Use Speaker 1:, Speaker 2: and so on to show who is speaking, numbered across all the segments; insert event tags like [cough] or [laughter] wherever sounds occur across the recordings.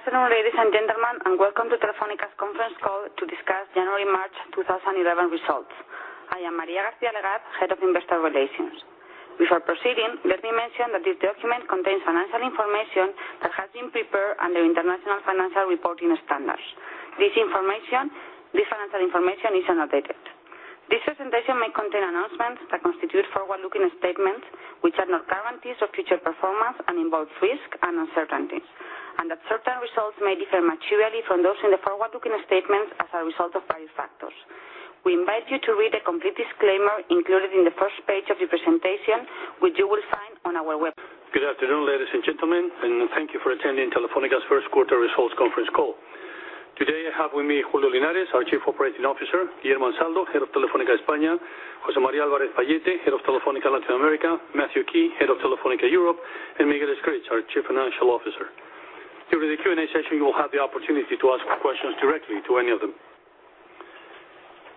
Speaker 1: Good afternoon, ladies and gentlemen, and welcome to Telefónica's Conference Call to discuss January-March 2011 Results. I am María García-Legaz, Head of Investor Relations. Before proceeding, let me mention that this document contains financial information that has been prepared under International Financial Reporting Standards. This financial information is annotated. This presentation may contain announcements that constitute forward-looking statements, which are not guarantees of future performance and involve risk and uncertainties, and that certain results may differ materially from those in the forward-looking statements as a result of various factors. We invite you to read the complete disclaimer included in the first page of the presentation, which you will find on our website.
Speaker 2: Good afternoon, ladies and gentlemen, and thank you for attending Telefónica's First Quarter Results Conference Call. Today, I have with me Julio Linares, our Chief Operating Officer, Guillermo Ansaldo, Head of Telefónica España, José María Álvarez-Pallete, Head of Telefónica Latin America, Matthew Key, Head of Telefónica Europe, and Miguel Escrig, our Chief Financial Officer. During the Q&A session, you will have the opportunity to ask questions directly to any of them.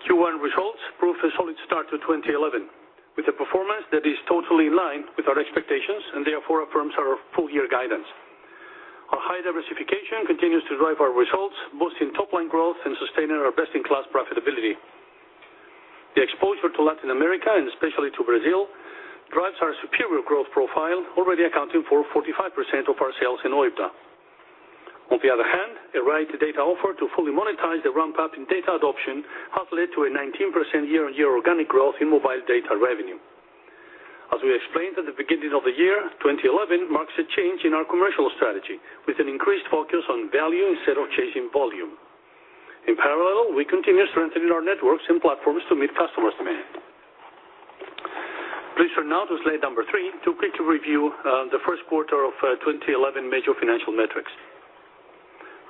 Speaker 2: Q1 results prove a solid start to 2011, with a performance that is totally in line with our expectations and therefore affirms our full-year guidance. Our high diversification continues to drive our results, boosting top-line growth and sustaining our best-in-class profitability. The exposure to Latin America, and especially to Brazil, drives our superior growth profile, already accounting for 45% of our sales in OIBDA. On the other hand, a ripe data offer to fully monetize the ramp-up in data adoption has led to a 19% year-on-year organic growth in mobile data revenue. As we explained at the beginning of the year, 2011 marks a change in our commercial strategy, with an increased focus on value instead of changing volume. In parallel, we continue strengthening our networks and platforms to meet customers' demand. Please turn now to slide number three to quickly review the first quarter of 2011 major financial metrics.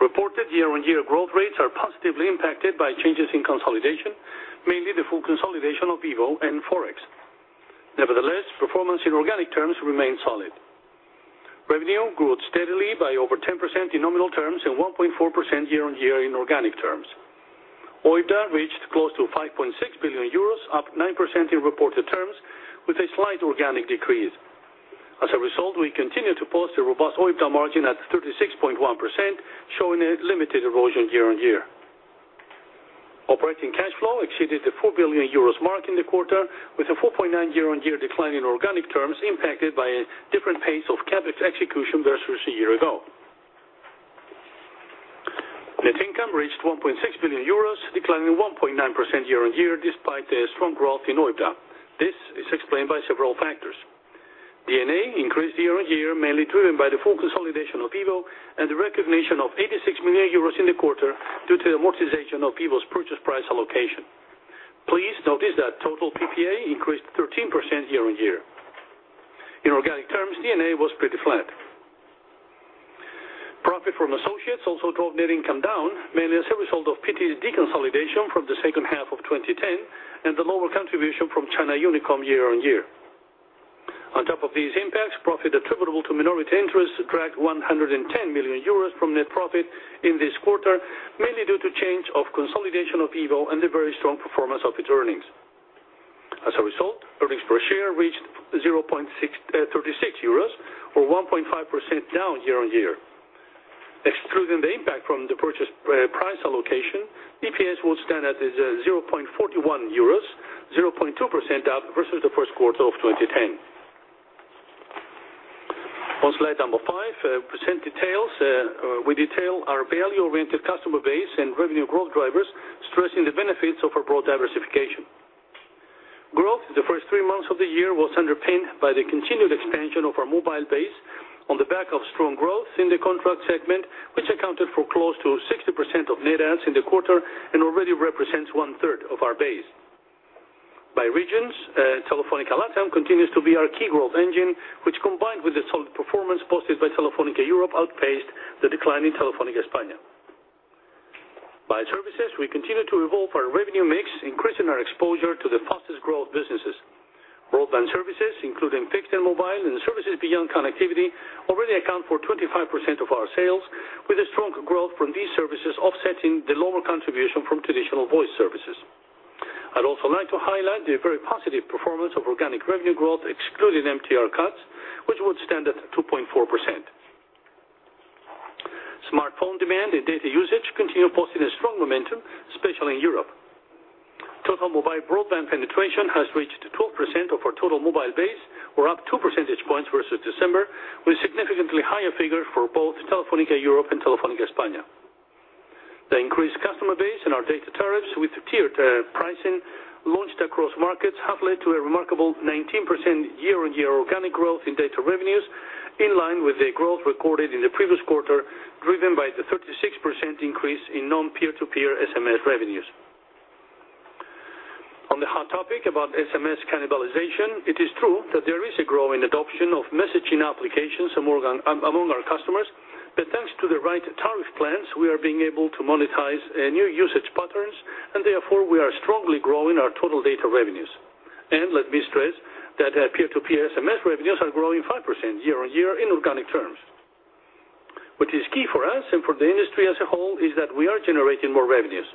Speaker 2: Reported year-on-year growth rates are positively impacted by changes in consolidation, mainly the full consolidation of Vivo and forex. Nevertheless, performance in organic terms remains solid. Revenue grew steadily by over 10% in nominal terms and 1.4% year-on-year in organic terms. OIBDA reached close to 5.6 billion euros, up 9% in reported terms, with a slight organic decrease. As a result, we continue to post a robust OIBDA margin at 36.1%, showing a limited erosion year-on-year. Operating cash flow exceeded the 4 billion euros mark in the quarter, with a 4.9% year-on-year decline in organic terms impacted by a different pace of CapEx execution versus a year ago. Net income reached 1.6 billion euros, declining 1.9% year-on-year despite the strong growth in OIBDA. This is explained by several factors. D&A increased year-on-year, mainly driven by the full consolidation of Vivo and the recognition of 86 million euros in the quarter due to the amortization of Vivo's purchase price allocation. Please notice that total PPA increased 13% year-on-year. In organic terms, D&A was pretty flat. Profit from associates also drove net income down, mainly as a result of PT's deconsolidation from the second half of 2010 and the lower contribution from China Unicom year-on-year. On top of these impacts, profit attributable to minority interests dragged 110 million euros from net profit in this quarter, mainly due to the change of consolidation of Vivo and the very strong performance of its earnings. As a result, earnings per share reached 0.36 euros, or 1.5% down year-on-year. Excluding the impact from the purchase price allocation, EPS would stand at 0.41 euros, 0.2% up versus the first quarter of 2010. On slide number five, we detail our value-oriented customer base and revenue growth drivers, stressing the benefits of our broad diversification. Growth in the first three months of the year was underpinned by the continued expansion of our mobile base, on the back of strong growth in the contract segment, which accounted for close to 60% of net adds in the quarter and already represents one-third of our base. By regions, Telefónica LatAm continues to be our key growth engine, which, combined with the solid performance posted by Telefónica Europe, outpaced the decline in Telefónica España. By services, we continue to evolve our revenue mix, increasing our exposure to the fastest-growing businesses. Mobile services, including fixed and mobile and services beyond connectivity, already account for 25% of our sales, with a strong growth from these services offsetting the lower contribution from traditional voice services. I'd also like to highlight the very positive performance of organic revenue growth, excluding MTR cuts, which would stand at 2.4%. Smartphone demand and data usage continue posting a strong momentum, especially in Europe. Total mobile broadband penetration has reached 12% of our total mobile base, or up two percentage points versus December, with significantly higher figures for both Telefónica Europe and Telefónica España. The increased customer base and our data tariffs with tiered pricing launched across markets have led to a remarkable 19% year-on-year organic growth in data revenues, in line with the growth recorded in the previous quarter, driven by the 36% increase in non-peer-to-peer SMS revenues. On the hot topic about SMS cannibalization, it is true that there is a growing adoption of messaging applications among our customers, but thanks to the right tariff plans, we are being able to monetize new usage patterns, and therefore, we are strongly growing our total data revenues. Let me stress that peer-to-peer SMS revenues are growing 5% year-on-year in organic terms. What is key for us and for the industry as a whole is that we are generating more revenues.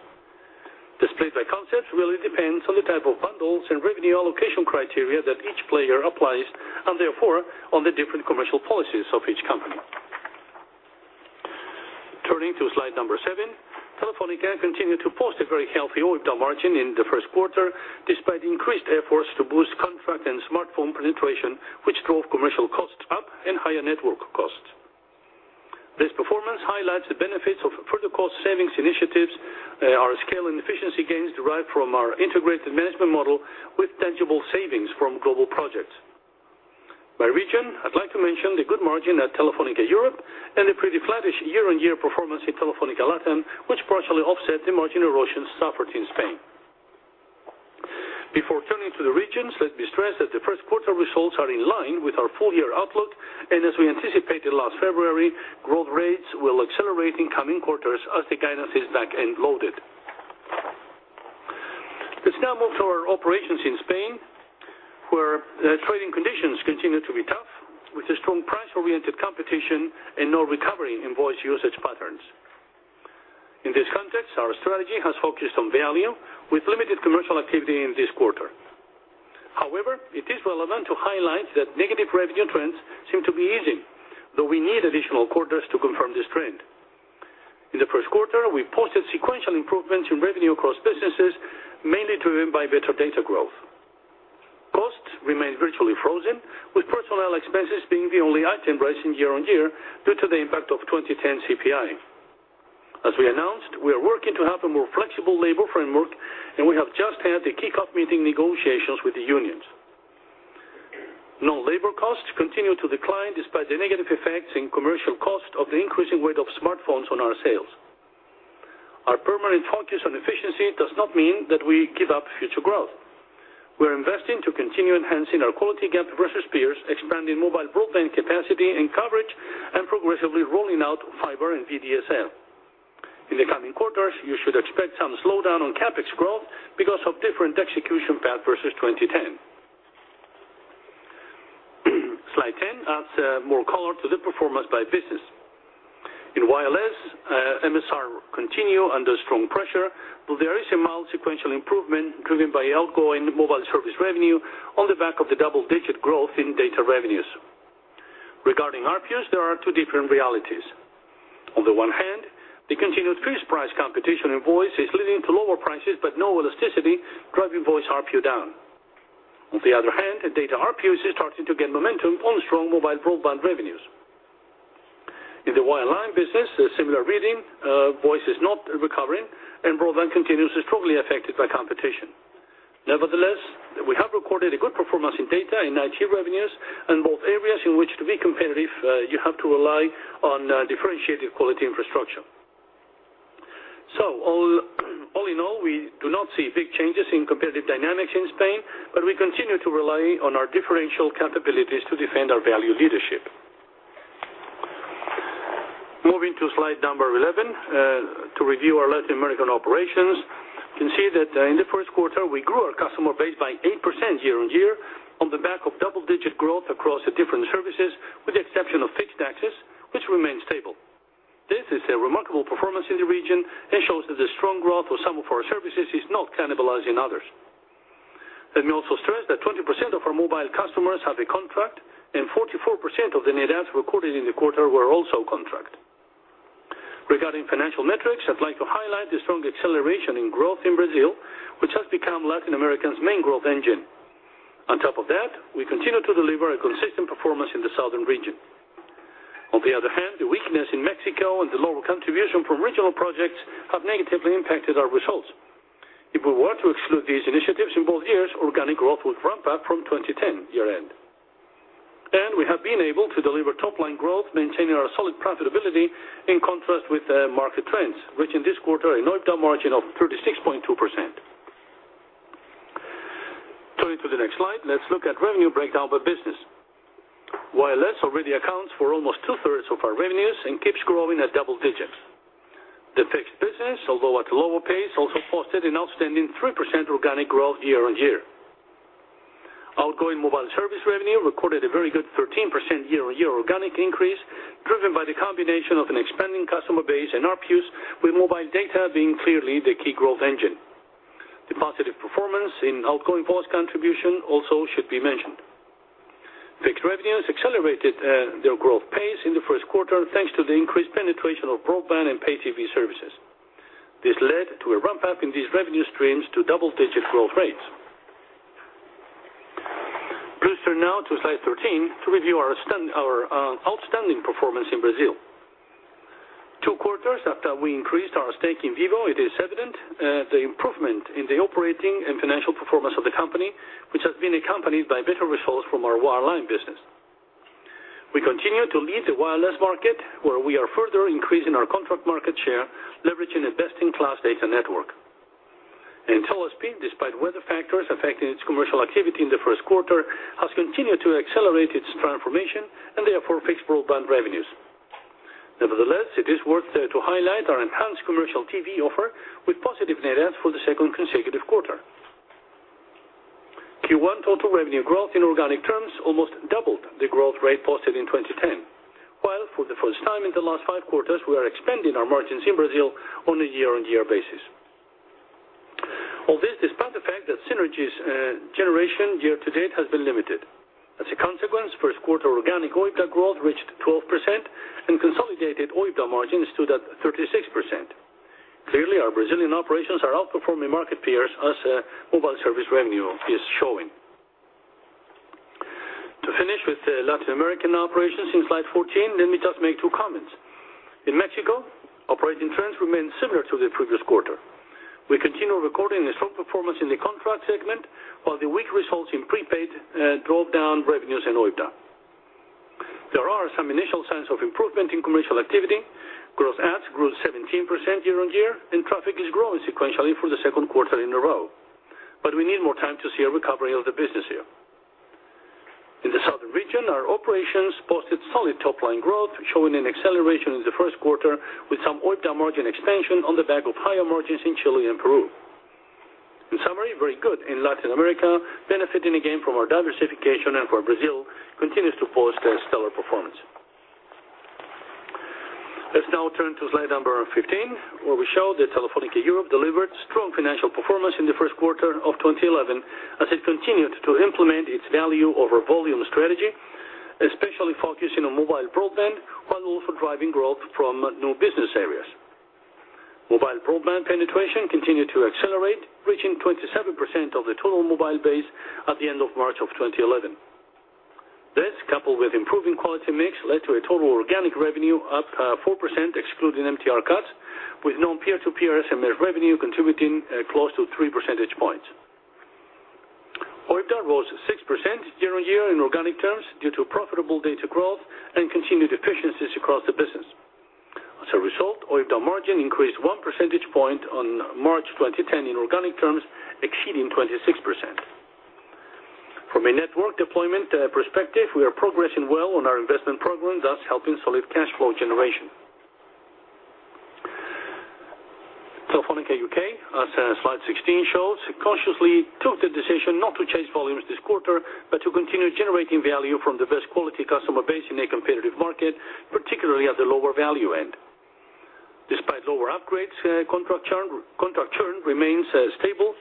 Speaker 2: The split by concepts really depends on the type of bundles and revenue allocation criteria that each player applies, and therefore, on the different commercial policies of each company. Turning to slide number seven, Telefónica continued to post a very healthy OIBDA margin in the first quarter, despite increased efforts to boost contract and smartphone penetration, which drove commercial costs up and higher network costs. This performance highlights the benefits of further cost-savings initiatives. Our scale and efficiency gains derive from our integrated management model, with tangible savings from global projects. By region, I'd like to mention the good margin at Telefónica Europe, and the pretty flattish year-on-year performance at Telefónica Latin, which partially offset the margin erosions suffered in Spain. Before turning to the regions, let me stress that the first quarter results are in line with our full-year outlook, and as we anticipated last February, growth rates will accelerate in coming quarters as the guidance is back and loaded. Let's now move to our operations in Spain, where trading conditions continue to be tough, with a strong price-oriented competition and no recovery in voice usage patterns. In this context, our strategy has focused on value, with limited commercial activity in this quarter. However, it is relevant to highlight that negative revenue trends seem to be easing, though we need additional quarters to confirm this trend. In the first quarter, we posted sequential improvements in revenue across businesses, mainly driven by better data growth. Costs remain virtually frozen, with personnel expenses being the only item rising year-on-year due to the impact of 2010 CPI. As we announced, we are working to have a more flexible labor framework, and we have just had the kickoff meeting negotiations with the unions. Non-labor costs continue to decline, despite the negative effects in commercial costs of the increasing weight of smartphones on our sales. Our permanent focus on efficiency does not mean that we give up future growth. We are investing to continue enhancing our quality gap versus peers, expanding mobile broadband capacity and coverage, and progressively rolling out fibre and VDSL. In the coming quarters, you should expect some slowdown on CapEx growth because of a different execution path versus 2010. Slide 10 adds more color to the performance by business. In wireless, MSR continue under strong pressure, though there is a mild sequential improvement driven by outgoing mobile service revenue on the back of the double-digit growth in data revenues. Regarding ARPUs, there are two different realities. On the one hand, the continued fixed-price competition in voice is leading to lower prices, but no elasticity driving voice ARPU down. On the other hand, data ARPUs are starting to gain momentum on strong mobile broadband revenues. In the wireline business, a similar reading: voice is not recovering, and broadband continues to be strongly affected by competition. Nevertheless, we have recorded a good performance in data and IT revenues in both areas in which, to be competitive, you have to rely on differentiated quality infrastructure. All in all, we do not see big changes in competitive dynamics in Spain, but we continue to rely on our differential capabilities to defend our value leadership. Moving to slide number 11, to review our Latin American operations, you can see that in the first quarter, we grew our customer base by 8% year-on-year on the back of double-digit growth across different services, with the exception of fixed taxes, which remains stable. This is a remarkable performance in the region and shows that the strong growth of some of our services is not cannibalizing others. Let me also stress that 20% of our mobile customers have a contract, and 44% of the net adds recorded in the quarter were also contract. Regarding financial metrics, I'd like to highlight the strong acceleration in growth in Brazil, which has become Latin America's main growth engine. On top of that, we continue to deliver a consistent performance in the southern region. On the other hand, the weakness in Mexico and the lower contribution from regional projects have negatively impacted our results. If we were to exclude these initiatives in both years, organic growth would ramp up from 2010 year-end. We have been able to deliver top-line growth, maintaining our solid profitability in contrast with market trends, reaching this quarter an OIBDA margin of 36.2%. Moving to the next slide, let's look at revenue breakdown by business. Wireless already accounts for almost 2/3 of our revenues and keeps growing at double digits. The fixed business, although at a lower pace, also posted an outstanding 3% organic growth year-on-year. Outgoing mobile service revenue recorded a very good 13% year-on-year organic increase, driven by the combination of an expanding customer base and ARPUs, with mobile data being clearly the key growth engine. The positive performance in outgoing voice contribution also should be mentioned. Fixed revenues accelerated their growth pace in the first quarter, thanks to the increased penetration of broadband and pay-TV services. This led to a ramp-up in these revenue streams to double-digit growth rates. Please turn now to slide 13 to review our outstanding performance in Brazil. Two quarters after we increased our stake in Vivo, it is evident the improvement in the operating and financial performance of the company, which has been accompanied by better results from our wireline business. We continue to lead the wireless market, where we are further increasing our contract market share, leveraging a best-in-class data network. Telesp, despite weather factors affecting its commercial activity in the first quarter, has continued to accelerate its transformation, and therefore, fixed broadband revenues. Nevertheless, it is worth highlighting our enhanced commercial TV offer, with positive net adds for the second consecutive quarter. Q1 total revenue growth in organic terms almost doubled the growth rate posted in 2010, while for the first time in the last five quarters, we are expanding our margins in Brazil on a year-on-year basis. All this despite the fact that synergies generation year-to-date has been limited. As a consequence, first-quarter organic OIBDA growth reached 12%, and consolidated OIBDA margins stood at 36%. Clearly, our Brazilian operations are outperforming market peers, as mobile service revenue is showing. To finish with Latin American operations in slide 14, let me just make two comments. In Mexico, operating trends remain similar to the previous quarter. We continue recording a strong performance in the contract segment, while the weak results in prepaid drove down revenues and OIBDA. There are some initial signs of improvement in commercial activity. Gross ads grew 17% year-on-year, and traffic is growing sequentially for the second quarter in a row. We need more time to see a recovery of the business here. In the southern region, our operations posted solid top-line growth, showing an acceleration in the first quarter, with some OIBDA margin expansion on the back of higher margins in Chile and Peru. In summary, very good in Latin America, benefiting again from our diversification and where Brazil continues to post stellar performance. Let's now turn to slide number 15, where we show that Telefónica Europe delivered strong financial performance in the first quarter of 2011, as it continued to implement its value-over-volume strategy, especially focusing on mobile broadband, while also driving growth from new business areas. Mobile broadband penetration continued to accelerate, reaching 27% of the total mobile base at the end of March 2011. This, coupled with improving quality mix, led to a total organic revenue up 4%, excluding MTR cuts, with non-peer-to-peer SMS revenue contributing close to three percentage points. OIBDA rose 6% year-on-year in organic terms due to profitable data growth and continued efficiencies across the business. As a result, OIBDA margin increased 1 percentage point on March 2010 in organic terms, exceeding 26%. From a network deployment perspective, we are progressing well on our investment program, thus helping solid cash flow generation. Telefónica UK, as slide 16 shows, consciously took the decision not to chase volumes this quarter, but to continue generating value from the best quality customer base in a competitive market, particularly at the lower value end. Despite lower upgrades, contract churn remains stable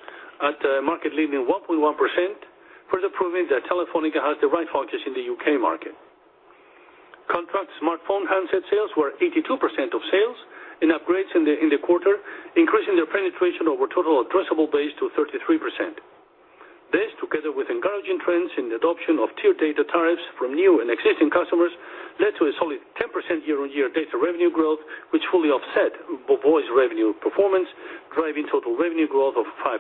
Speaker 2: at a market-leading 1.1%, further proving that Telefónica has the right foot in the U.K. market. Contract smartphone handset sales were 82% of sales and upgrades in the quarter, increasing the penetration over total addressable base to 33%. This, together with encouraging trends in the adoption of tiered data tariffs from new and existing customers, led to a solid 10% year-on-year data revenue growth, which fully offset voice revenue performance, driving total revenue growth of 5%.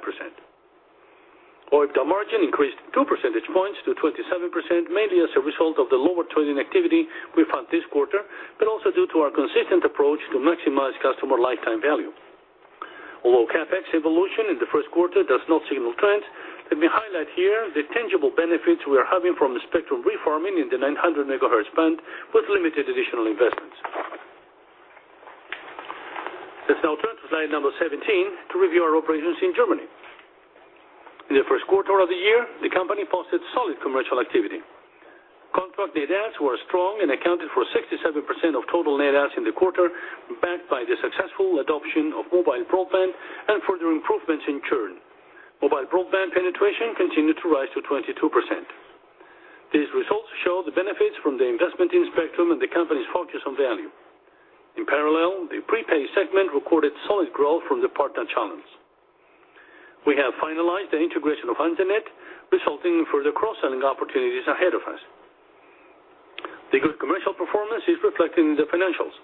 Speaker 2: OIBDA margin increased two percentage points to 27%, mainly as a result of the lower trading activity we found this quarter, but also due to our consistent approach to maximize customer lifetime value. Although CapEx evolution in the first quarter does not signal trends, let me highlight here the tangible benefits we are having from spectrum reforming in the 900 MHz band, with limited additional investments. Let's now turn to slide number 17 to review our operations in Germany. In the first quarter of the year, the company posted solid commercial activity. Contract net adds were strong and accounted for 67% of total net adds in the quarter, backed by the successful adoption of mobile broadband and further improvements in churn. Mobile broadband penetration continued to rise to 22%. These results show the benefits from the investment in spectrum and the company's focus on value. In parallel, the prepaid segment recorded solid growth from the partner channels. We have finalized the integration of HanseNet, resulting in further cross-selling opportunities ahead of us. The good commercial performance is reflected in the financials.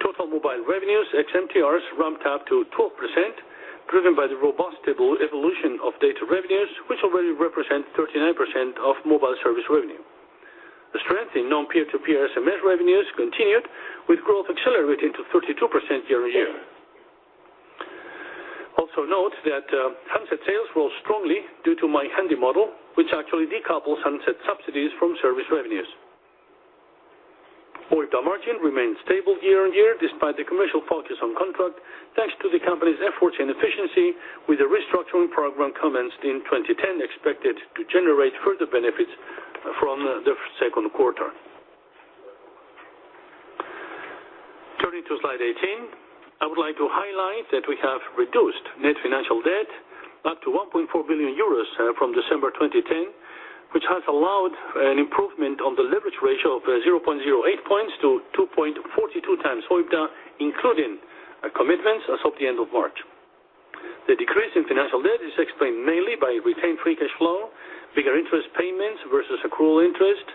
Speaker 2: Total mobile revenues, ex-MTRs, ramped up to 12%, driven by the robust stable evolution of data revenues, which already represent 39% of mobile service revenue. The strength in non-peer-to-peer SMS revenues continued, with growth accelerating to 32% year-on-year. Also note that handset sales rose strongly due to the My Handy model, which actually decouples handset subsidies from service revenues. OIBDA margin remains stable year-on-year, despite the commercial focus on contract, thanks to the company's efforts and efficiency, with the restructuring program commenced in 2010 expected to generate further benefits from the second quarter. Turning to slide 18, I would like to highlight that we have reduced net financial debt back to 1.4 billion euros from December 2010, which has allowed an improvement on the leverage ratio of 0.08 points to 2.42x OIBDA, including commitments as of the end of March. The decrease in financial debt is explained mainly by retained free cash flow, bigger interest payments versus accrual interest,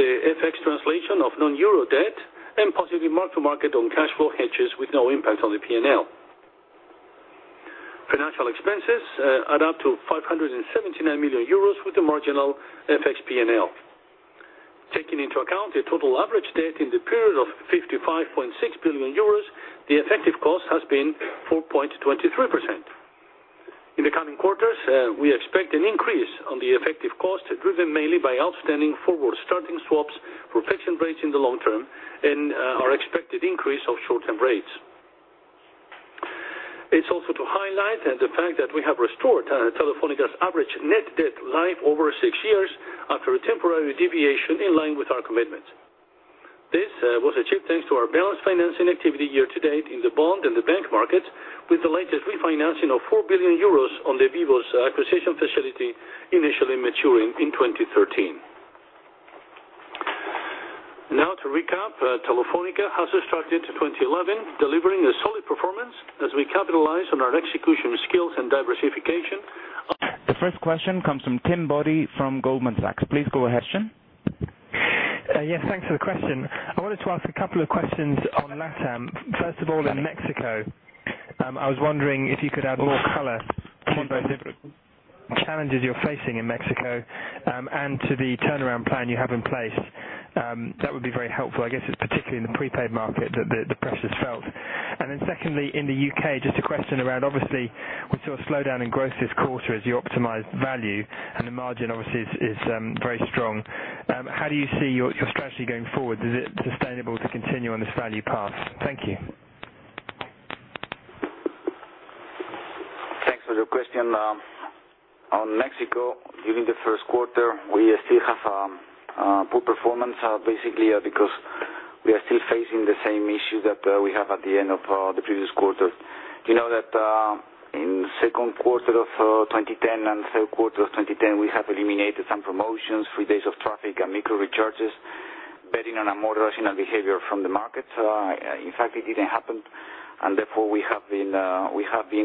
Speaker 2: the FX translation of non-euro debt, and positive mark-to-market on cash flow hedges with no impact on the P&L. Financial expenses add up to 579 million euros with the marginal FX P&L. Taking into account the total average debt in the period of 55.6 billion euros, the effective cost has been 4.23%. In the coming quarters, we expect an increase on the effective cost, driven mainly by outstanding forward starting swaps for fixed rates in the long term and our expected increase of short-term rates. It's also to highlight the fact that we have restored Telefónica's average net debt life over six years, after a temporary deviation in line with our commitments. This was achieved thanks to our balance financing activity year-to-date in the bond and the bank markets, with the latest refinancing of 4 billion euros on the Vivo acquisition facility initially maturing in 2013. To recap, Telefónica has started 2011 delivering a solid performance as we capitalize on our execution skills and diversification.
Speaker 3: The first question comes from Tim Boddy from Goldman Sachs. Please go ahead, sir.
Speaker 4: Yes, thanks for the question. I wanted to ask a couple of questions on LatAm. First of all, in Mexico, I was wondering if you could add more color on the challenges you're facing in Mexico and to the turnaround plan you have in place. That would be very helpful, I guess, particularly in the prepaid market that the pressures felt. Secondly, in the U.K., just a question around, obviously, we saw a slowdown in growth this quarter as you optimized value, and the margin obviously is very strong. How do you see your strategy going forward? Is it sustainable to continue on this value path? Thank you.
Speaker 5: Thanks for the question. On Mexico, during the first quarter, we still have poor performance, basically because we are still facing the same issue that we had at the end of the previous quarter. You know that in the second quarter of 2010 and the third quarter of 2010, we have eliminated some promotions, free days of traffic, and micro-recharges, betting on a more rational behavior from the market. In fact, it didn't happen. Therefore, we have been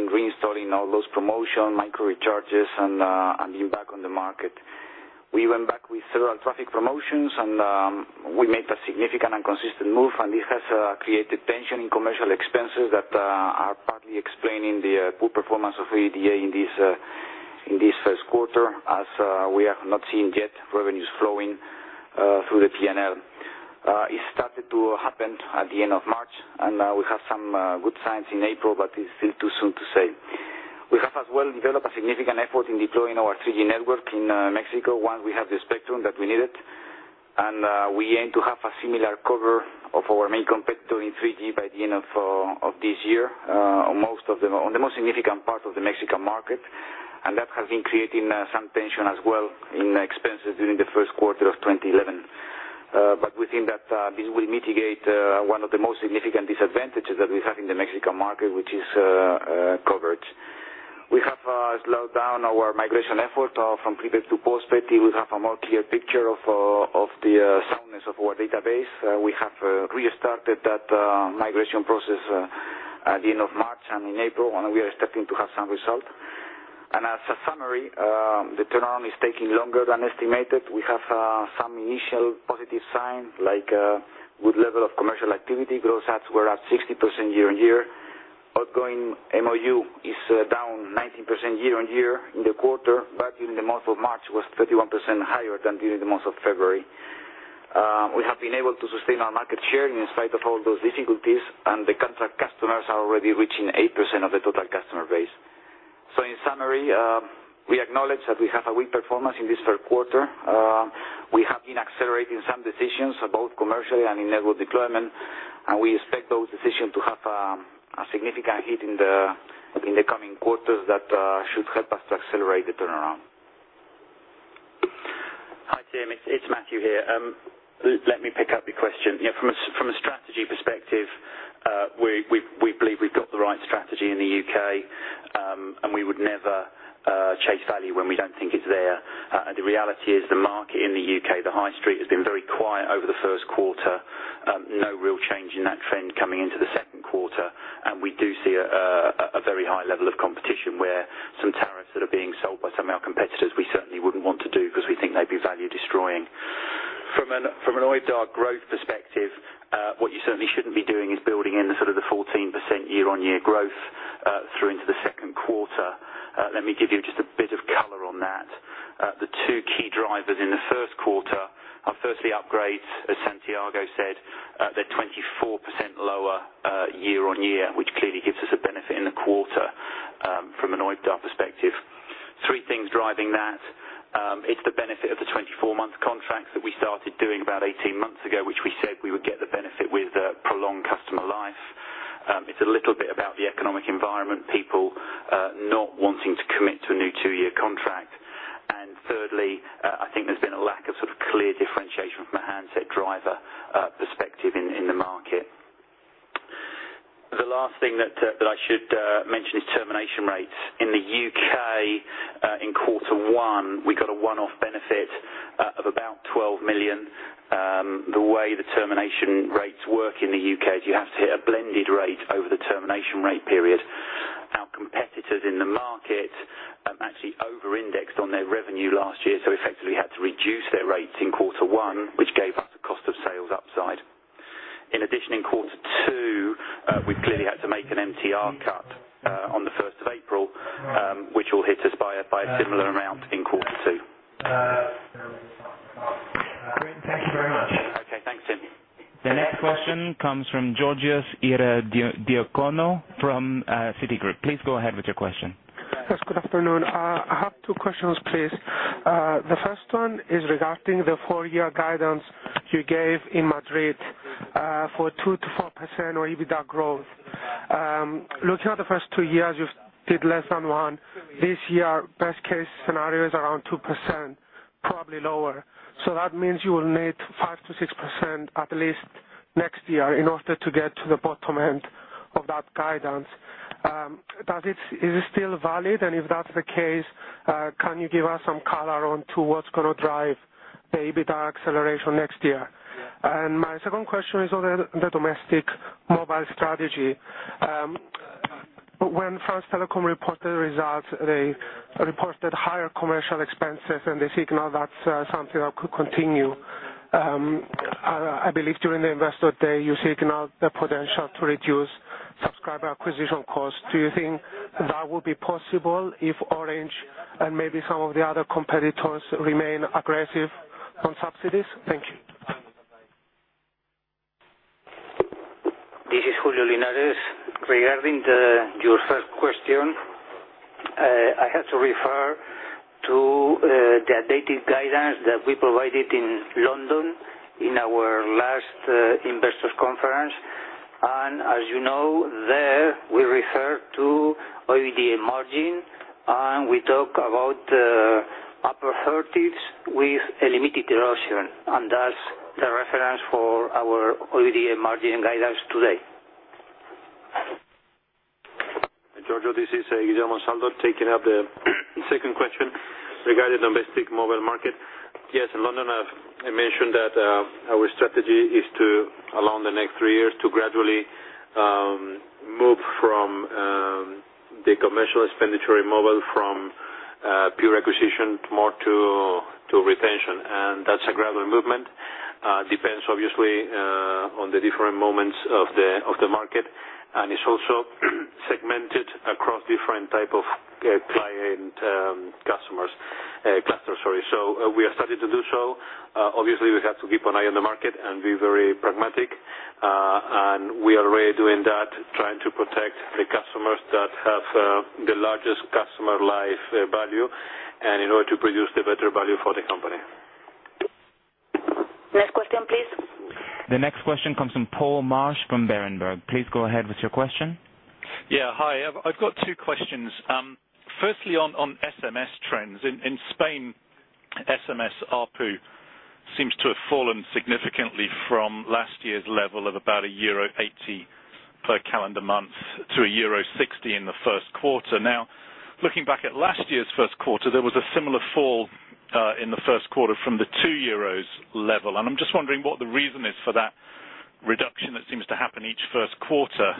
Speaker 5: reinstalling all those promotions, micro-recharges, and being back on the market. We went back with several traffic promotions, and we made a significant and consistent move, and this has created tension in commercial expenses that are partly explaining the poor performance of OIBDA in this first quarter, as we have not seen yet revenues flowing through the P&L. It started to happen at the end of March, and we have some good signs in April, but it's still too soon to say. We have as well developed a significant effort in deploying our 3G network in Mexico, once we have the spectrum that we needed. We aim to have a similar cover of our main competitor in 3G by the end of this year, on the most significant part of the Mexican market. That has been creating some tension as well in expenses during the first quarter of 2011. We think that this will mitigate one of the most significant disadvantages that we have in the Mexican market, which is coverage. We have slowed down our migration effort from prepaid to postpaid. We have a more clear picture of the soundness of our database. We have restarted that migration process at the end of March and in April, and we are expecting to have some result. As a summary, the turnaround is taking longer than estimated. We have some initial positive signs, like a good level of commercial activity. Gross ads were at 60% year-on-year. Outgoing MOU is down 19% year-on-year in the quarter, but during the month of March, it was 31% higher than during the month of February. We have been able to sustain our market share in spite of all those difficulties, and the customers are already reaching 8% of the total customer base. In summary, we acknowledge that we have a weak performance in this third quarter. We have been accelerating some decisions, both commercially and in network deployment, and we expect those decisions to have a significant hit in the coming quarters that should help us to accelerate the turnaround.
Speaker 6: Hi, Tim. It's Matthew here. Let me pick up your question. From a strategy perspective, we believe we've got the right strategy in the U.K., and we would never chase value when we don't think it's there. The reality is the market in the U.K., the High Street, has been very quiet over the first quarter. No real change in that trend coming into the second quarter. We do see a very high level of competition, where some tariffs that are being sold by some of our competitors, we certainly wouldn't want to do because we think they'd be value destroying. From an OIBDA growth perspective, what you certainly shouldn't be doing is building in the sort of the 14% year-on-year growth through into the second quarter. Let me give you just a bit of color on that. The two key drivers in the first quarter are firstly upgrades, as Santiago said. They're 24% lower year-on-year, which clearly gives us a benefit in the quarter from an OIBDA perspective. Three things driving that: it's the benefit of the 24-month contract that we started doing about 18 months ago, which we said we would get the benefit with prolonged customer life. It's a little bit about the economic environment, people not wanting to commit to a new two-year contract. Thirdly, I think there's been a lack of sort of clear differentiation from a handset driver perspective in the market. The last thing that I should mention is termination rates. In the U.K., in quarter one, we got a one-off benefit of about 12 million. The way the termination rates work in the U.K. is you have to hit a blended rate over the termination rate period. Our competitors in the market actually over-indexed on their revenue last year, so effectively had to reduce their rates in quarter one, which gave us a cost of sales upside. In addition, in quarter two, we clearly had to make an MTR cut on the 1st of April, which all hit us by a similar amount in quarter two.
Speaker 3: Thank you very much. The next question comes from Georgios Ierodiaconou from Citigroup. Please go ahead with your question.
Speaker 7: Yes, good afternoon. I have two questions, please. The first one is regarding the four-year guidance you gave in Madrid for 2%-4% OIBDA growth. Looking at the first two years, you did less than 1%. This year, best-case scenario is around 2%, probably lower. That means you will need 5%-6% at least next year in order to get to the bottom end of that guidance. Is it still valid? If that's the case, can you give us some color on what's going to drive the OIBDA acceleration next year? My second question is on the domestic mobile strategy. When France Telecom reported the results, they reported higher commercial expenses, and they signal that's something that could continue. I believe during the Investor Day, you signaled the potential to reduce subscriber acquisition costs. Do you think that will be possible if Orange and maybe some of the other competitors remain aggressive on subsidies? Thank you.
Speaker 8: This is Julio Linares. Regarding your first question, I have to refer to the updated guidance that we provided in London in our last Investors' Conference. As you know, there, we refer to OIBDA margin, and we talk about upper 30s with a limited erosion. That's the reference for our OIBDA margin guidance today.
Speaker 9: Hi, Georgios. This is Guillermo Ansaldo, taking up the second question regarding the domestic mobile market. Yes, in London, I mentioned that our strategy is to, along the next three years, gradually move from the commercial expenditure in mobile from pure acquisition more to retention. That's a gradual movement. It depends, obviously, on the different moments of the market, and it's also segmented across different types of client customers, clusters, sorry. We are starting to do so. Obviously, we have to keep an eye on the market and be very pragmatic. We are already doing that, trying to protect the customers that have the largest customer life value, in order to produce the better value for the company.
Speaker 1: Next question, please.
Speaker 3: The next question comes from Paul Marsch from Berenberg. Please go ahead with your question.
Speaker 10: Yeah, hi. I've got two questions. Firstly, on SMS trends. In Spain, SMS ARPU seems to have fallen significantly from last year's level of about euro 1.80 per calendar month to euro 1.60 in the first quarter. Now, looking back at last year's first quarter, there was a similar fall in the first quarter from the 2 euros level. I'm just wondering what the reason is for that reduction that seems to happen each first quarter.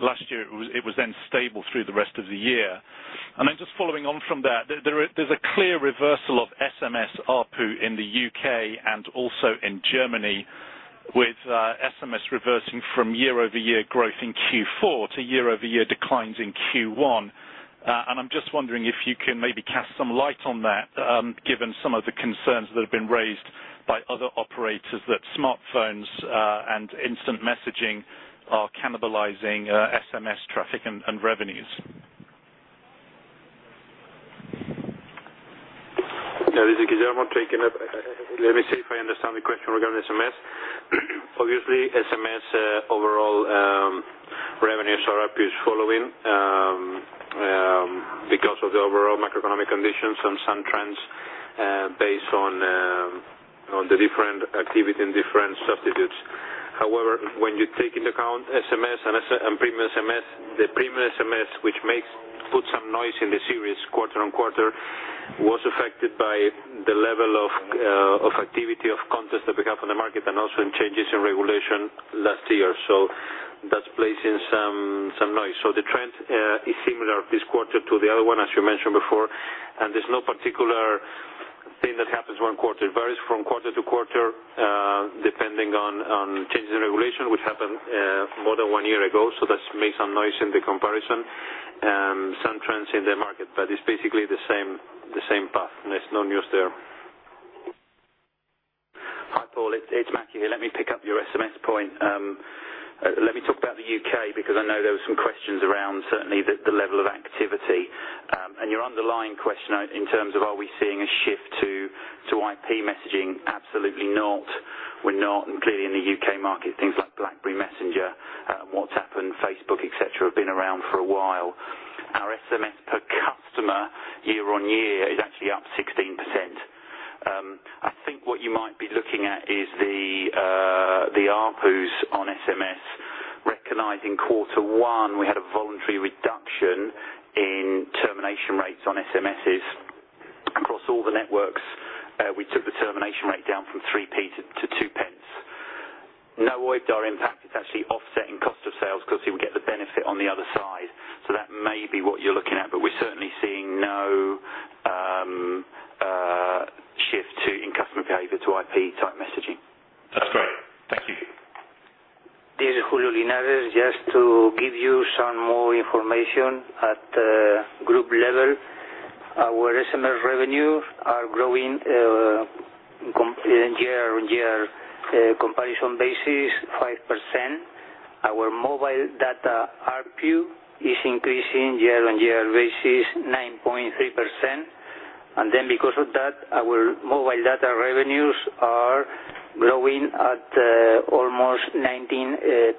Speaker 10: Last year, it was then stable through the rest of the year. Following on from that, there's a clear reversal of SMS ARPU in the U.K. and also in Germany, with SMS reversing from year-over-year growth in Q4 to year-over-year declines in Q1. I'm just wondering if you can maybe cast some light on that, given some of the concerns that have been raised by other operators that smartphones and instant messaging are cannibalizing SMS traffic and revenues.
Speaker 9: This is Guillermo taking up. Let me see if I understand the question regarding SMS. Obviously, SMS overall revenues are up, is following because of the overall macroeconomic conditions and some trends based on the different activity and different substitutes. However, when you take into account SMS and premium SMS, the premium SMS, which puts some noise in the series quarter-on-quarter, was affected by the level of activity of contests that we have on the market and also in changes in regulation last year. That's placing some noise. The trend is similar this quarter to the other one, as you mentioned before. There's no particular thing that happens one quarter. It varies from quarter-to-quarter, depending on changes in regulation, which happened more than one year ago. That makes some noise in the comparison and some trends in the market. It's basically the same path. There's no news there.
Speaker 6: Hi, Paul. It's Matthew here. Let me pick up your SMS point. Let me talk about the U.K. because I know there were some questions around certainly the level of activity. Your underlying question in terms of are we seeing a shift to IP messaging? Absolutely not. We're not. Clearly, in the U.K. market, things like BlackBerry Messenger, WhatsApp, and Facebook, etc., have been around for a while. Our SMS per customer year-on-year is actually up 16%. I think what you might be looking at is the ARPUs on SMS. Recognizing quarter one, we had a voluntary reduction in termination rates on SMS's. Across all the networks, we took the termination rate down from 0.03 to 0.02. No OIBDA impact. It's actually offsetting cost of sales because people get the benefit on the other side. That may be what you're looking at, but we're certainly seeing no shift in customer behavior to IP-type messaging.
Speaker 10: That's great. Thank you.
Speaker 8: This is Julio Linares. Just to give you some more information at the group level, our SMS revenues are growing on a year-on-year comparison basis, 5%. Our mobile data ARPU is increasing on a year-on-year basis, 9.3%. Because of that, our mobile data revenues are growing at almost 19%.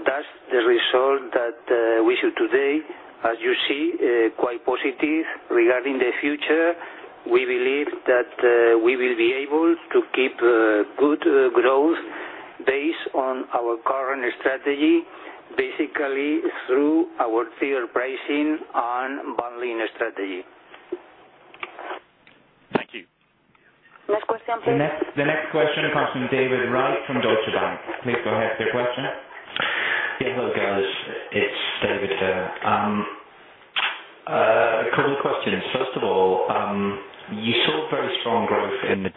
Speaker 8: That's the result that we see today. As you see, quite positive. Regarding the future, we believe that we will be able to keep good growth based on our current strategy, basically through our tiered pricing and bundling s`trategy.
Speaker 10: Thank you.
Speaker 1: Next question.
Speaker 3: The next question comes from David Wright from Deutsche Bank. Please go ahead with your question.
Speaker 11: Yeah, hello, guys. It's David here. A couple of questions. First of all, you saw very strong growth in the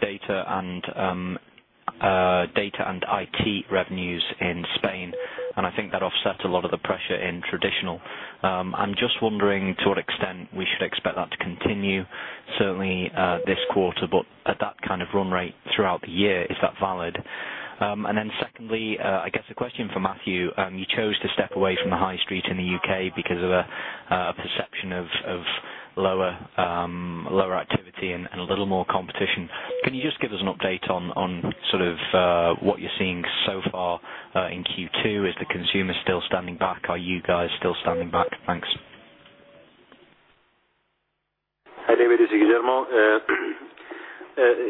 Speaker 11: data and IT revenues in Spain, and I think that offset a lot of the pressure in traditional. I'm just wondering to what extent we should expect that to continue, certainly this quarter, but at that kind of run rate throughout the year, is that valid? Secondly, I guess a question for Matthew. You chose to step away from the High Street in the U.K. because of a perception of lower activity and a little more competition. Can you just give us an update on sort of what you're seeing so far in Q2? Is the consumer still standing back? Are you guys still standing back? Thanks.
Speaker 9: Hi, David. This is Guillermo.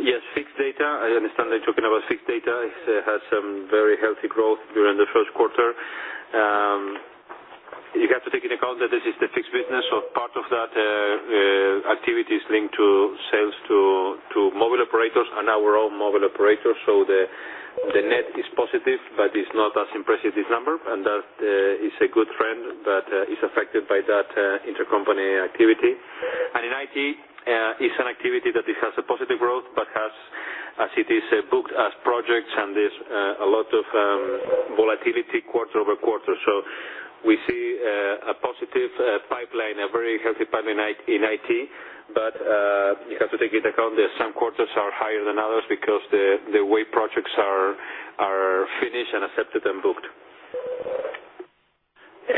Speaker 9: Yes, fixed data, as I understand, they're talking about fixed data. It has some very healthy growth during the first quarter. You have to take into account that this is the fixed business. Part of that activity is linked to sales to mobile operators and our own mobile operators. The net is positive, but it's not as impressive, this number. That is a good trend that is affected by that intercompany activity. In IT, it's an activity that has a positive growth, but as it is booked as projects and there's a lot of volatility quarter-over-quarter. We see a positive pipeline, a very healthy pipeline in IT. You have to take into account that some quarters are higher than others because of the way projects are finished and accepted and booked.
Speaker 6: Yeah,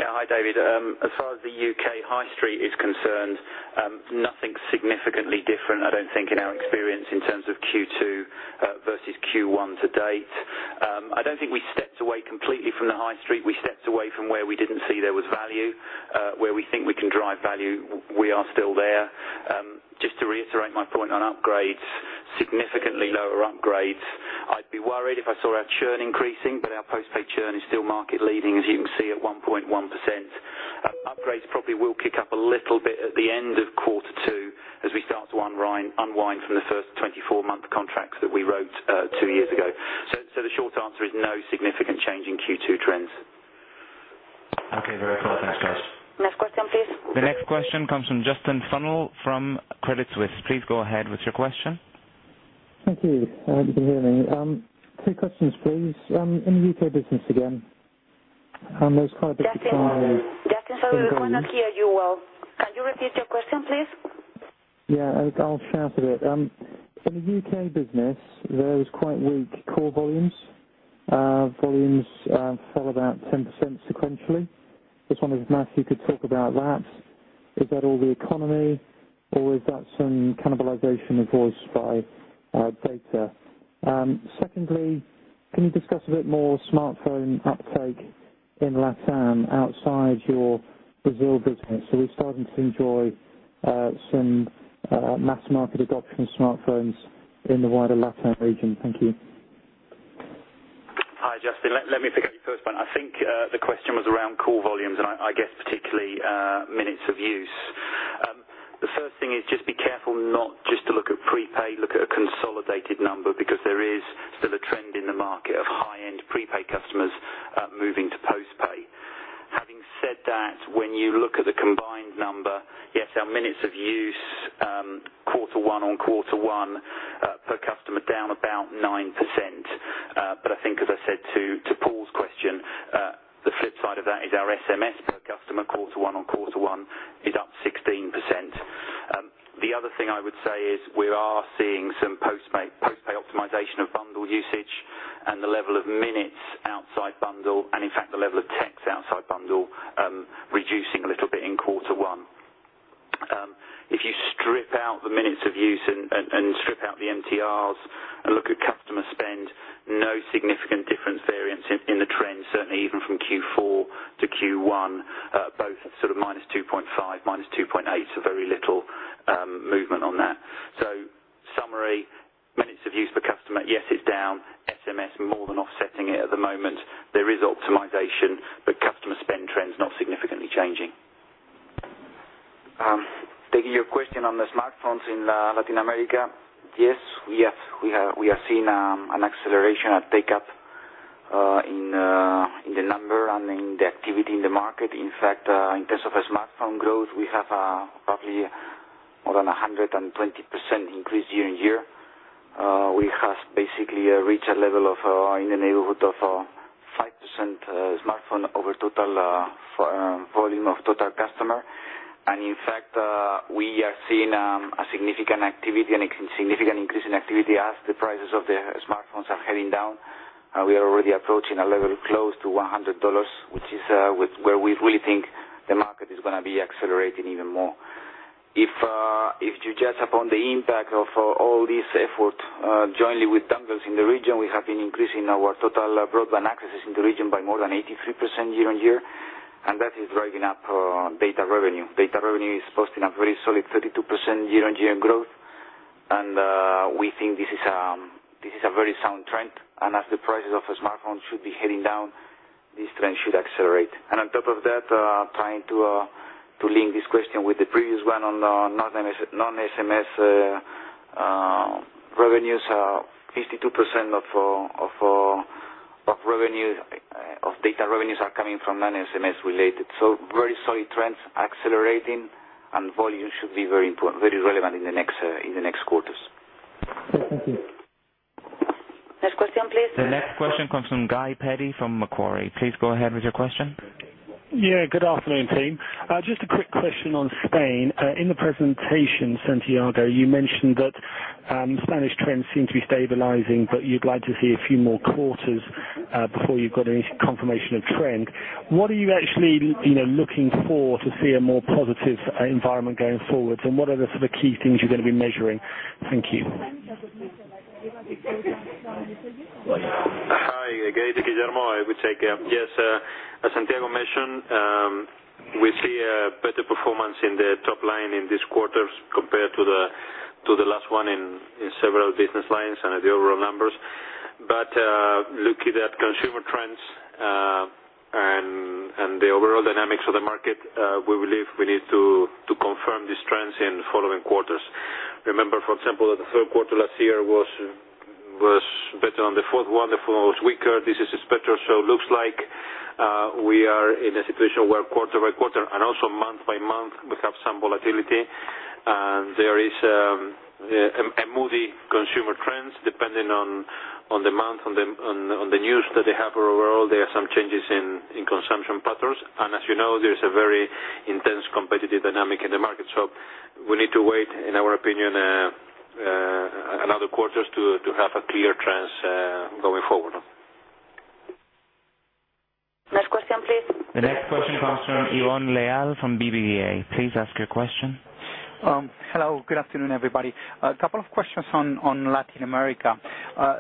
Speaker 6: hi, David. As far as the U.K. High Street is concerned, nothing significantly different, I don't think, in our experience in terms of Q2 versus Q1 to date. I don't think we stepped away completely from the High Street. We stepped away from where we didn't see there was value. Where we think we can drive value, we are still there. Just to reiterate my point on upgrades, significantly lower upgrades. I'd be worried if I saw our churn increasing, but our postpaid churn is still market-leading, as you can see, at 1.1%. Upgrades probably will kick up a little bit at the end of quarter two, as we start to unwind from the first 24-month contracts that we wrote two years ago. The short answer is no significant change in Q2 trends.
Speaker 11: Okay, very clear. Thanks, guys.
Speaker 1: Next question, please.
Speaker 3: The next question comes from Justin Funnell from Credit Suisse. Please go ahead with your question.
Speaker 12: Thank you. Happy to hear that. Three questions, please. In the U.K. business, again, there's quite a bit of.
Speaker 1: Justin, sorry, we can't hear you well. Can you repeat your question, please?
Speaker 12: Yeah, I'll shout it a bit. In the U.K. business, there's quite a few call volumes. Volumes fell about 10% sequentially. I just wondered if Matthew could talk about that. Is that all the economy, or is that some cannibalization of voice by data? Secondly, can you discuss a bit more smartphone uptake in LatAm outside your Brazil business? We're starting to enjoy some mass-market adoption of smartphones in the wider LatAm region. Thank you.
Speaker 6: Hi, Justin. Let me pick up your first point. I think the question was around call volumes, and I guess particularly minutes of use. The first thing is just be careful not just to look at prepaid, look at a consolidated number, because there is still a trend in the market of high-end prepaid customers moving to postpaid. Having said that, when you look at the combined number, yes, our minutes of use, quarter one-on-quarter one, per customer down about 9%. I think, as I said to Paul's question, the flip side of that is our SMS per customer, quarter one-on-quarter one, is up 16%. The other thing I would say is we are seeing some postpaid optimization of bundle usage and the level of minutes outside bundle, and in fact, the level of text outside bundle reducing a little bit in quarter one. If you strip out the minutes of use and strip out the MTRs and look at customer spend, no significant difference variance in the trend, certainly even from Q4 to Q1. Both sort of -2.5%, -2.8%, very little movement on that. In summary, minutes of use per customer, yes, it's down. SMS more than offsetting it at the moment. There is optimization, but customer spend trends not significantly changing.
Speaker 5: Taking your question on the smartphones in Latin America, yes, we have seen an acceleration at take-up in the number and in the activity in the market. In fact, in terms of smartphone growth, we have probably more than 120% increase year-on-year. We have basically reached a level of in the neighborhood of 5% smartphone over total volume of total customer. In fact, we are seeing a significant activity and a significant increase in activity as the prices of the smartphones are heading down. We are already approaching a level close to $100, which is where we really think the market is going to be accelerating even more. If you judge upon the impact of all this effort, jointly with dongles in the region, we have been increasing our total broadband accesses in the region by more than 83% year-on-year. That is driving up data revenue. Data revenue is posting a very solid 32% year-on-year growth. We think this is a very sound trend. As the prices of smartphones should be heading down, this trend should accelerate. On top of that, trying to link this question with the previous one on non-SMS revenues, 52% of data revenues are coming from non-SMS related. Very solid trends accelerating, and volume should be very relevant in the next quarters.
Speaker 12: Thank you.
Speaker 1: Next question, please.
Speaker 3: The next question comes from Guy Peddy from Macquarie. Please go ahead with your question.
Speaker 13: Yeah, good afternoon, Tim. Just a quick question on Spain. In the presentation, Santiago, you mentioned that Spanish trends seem to be stabilizing, but you'd like to see a few more quarters before you've got any confirmation of trend. What are you actually looking for to see a more positive environment going forward? What are the sort of key things you're going to be measuring? Thank you.
Speaker 1: [audio distortion]
Speaker 9: Hi, again. This is Guillermo. I would take yes. As Santiago mentioned, we see a better performance in the top line in this quarter compared to the last one in several business lines and the overall numbers. Looking at consumer trends and the overall dynamics of the market, we believe we need to confirm these trends in the following quarters. Remember, for example, that the third quarter last year was better than the fourth one. The fourth one was weaker. This is a spectrum. It looks like we are in a situation where quarter-by-quarter and also month-by-month, we have some volatility. There is a moody consumer trend depending on the month, on the news that they have, or overall, there are some changes in consumption patterns. As you know, there is a very intense competitive dynamic in the market. We need to wait, in our opinion, another quarter to have a clear trends going forward.
Speaker 1: Next question, please.
Speaker 3: The next question comes from Ivon Leal from BBVA. Please ask your question.
Speaker 14: Hello. Good afternoon, everybody. A couple of questions on Latin America.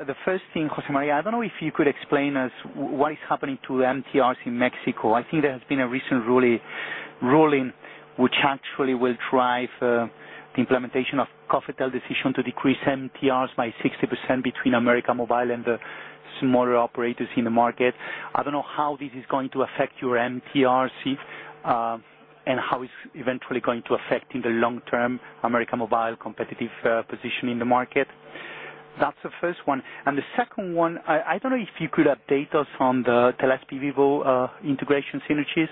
Speaker 14: The first thing, José María, I don't know if you could explain us what is happening to MTRs in Mexico. I think there has been a recent ruling which actually will drive the implementation of COFETEL's decision to decrease MTRs by 60% between América Móvil and the smaller operators in the market. I don't know how this is going to affect your MTRs and how it's eventually going to affect in the long-term América Móvil competitive position in the market. That's the first one. The second one, I don't know if you could update us on the Telesp/Vivo integration synergies.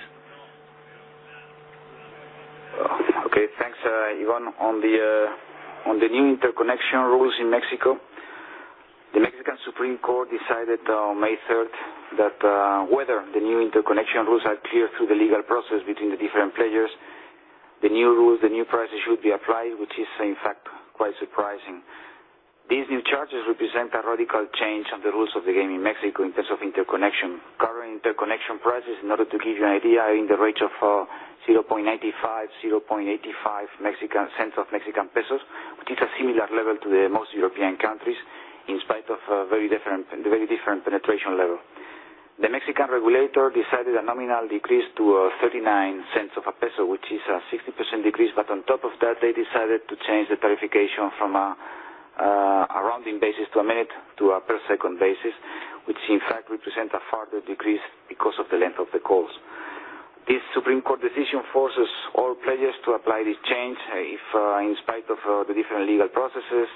Speaker 5: Okay. Thanks, Ivon. On the new interconnection rules in Mexico, the Mexican Supreme Court decided on May 3rd that whether the new interconnection rules are cleared through the legal process between the different players, the new rules, the new prices should be applied, which is, in fact, quite surprising. These new charges represent a radical change of the rules of the game in Mexico in terms of interconnection. Current interconnection prices, in order to give you an idea, are in the range of MXN 0.95-MXN 0.85, which is a similar level to most European countries, in spite of a very different penetration level. The Mexican regulator decided a nominal decrease to 0.39 of MXN 1, which is a 60% decrease. On top of that, they decided to change the tariffication from a rounding basis to a minute to a per second basis, which, in fact, represents a further decrease because of the length of the calls. This Supreme Court decision forces all players to apply this change in spite of the different legal processes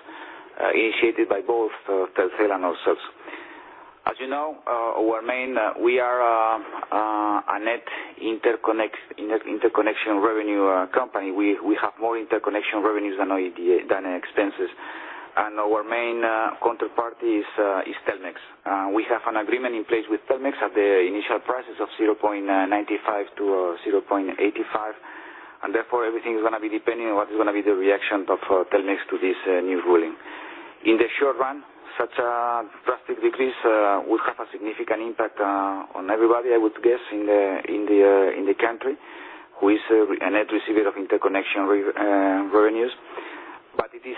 Speaker 5: initiated by both Telcel and ourselves. As you know, we are a net interconnection revenue company. We have more interconnection revenues than OIBDA than expenses. Our main counterparty is Telmex. We have an agreement in place with Telmex at the initial prices of 0.95-0.85. Therefore, everything is going to be dependent on what is going to be the reaction of Telmex to this new ruling. In the short run, such a drastic decrease would have a significant impact on everybody, I would guess, in the country, who is a net recipient of interconnection revenues. It is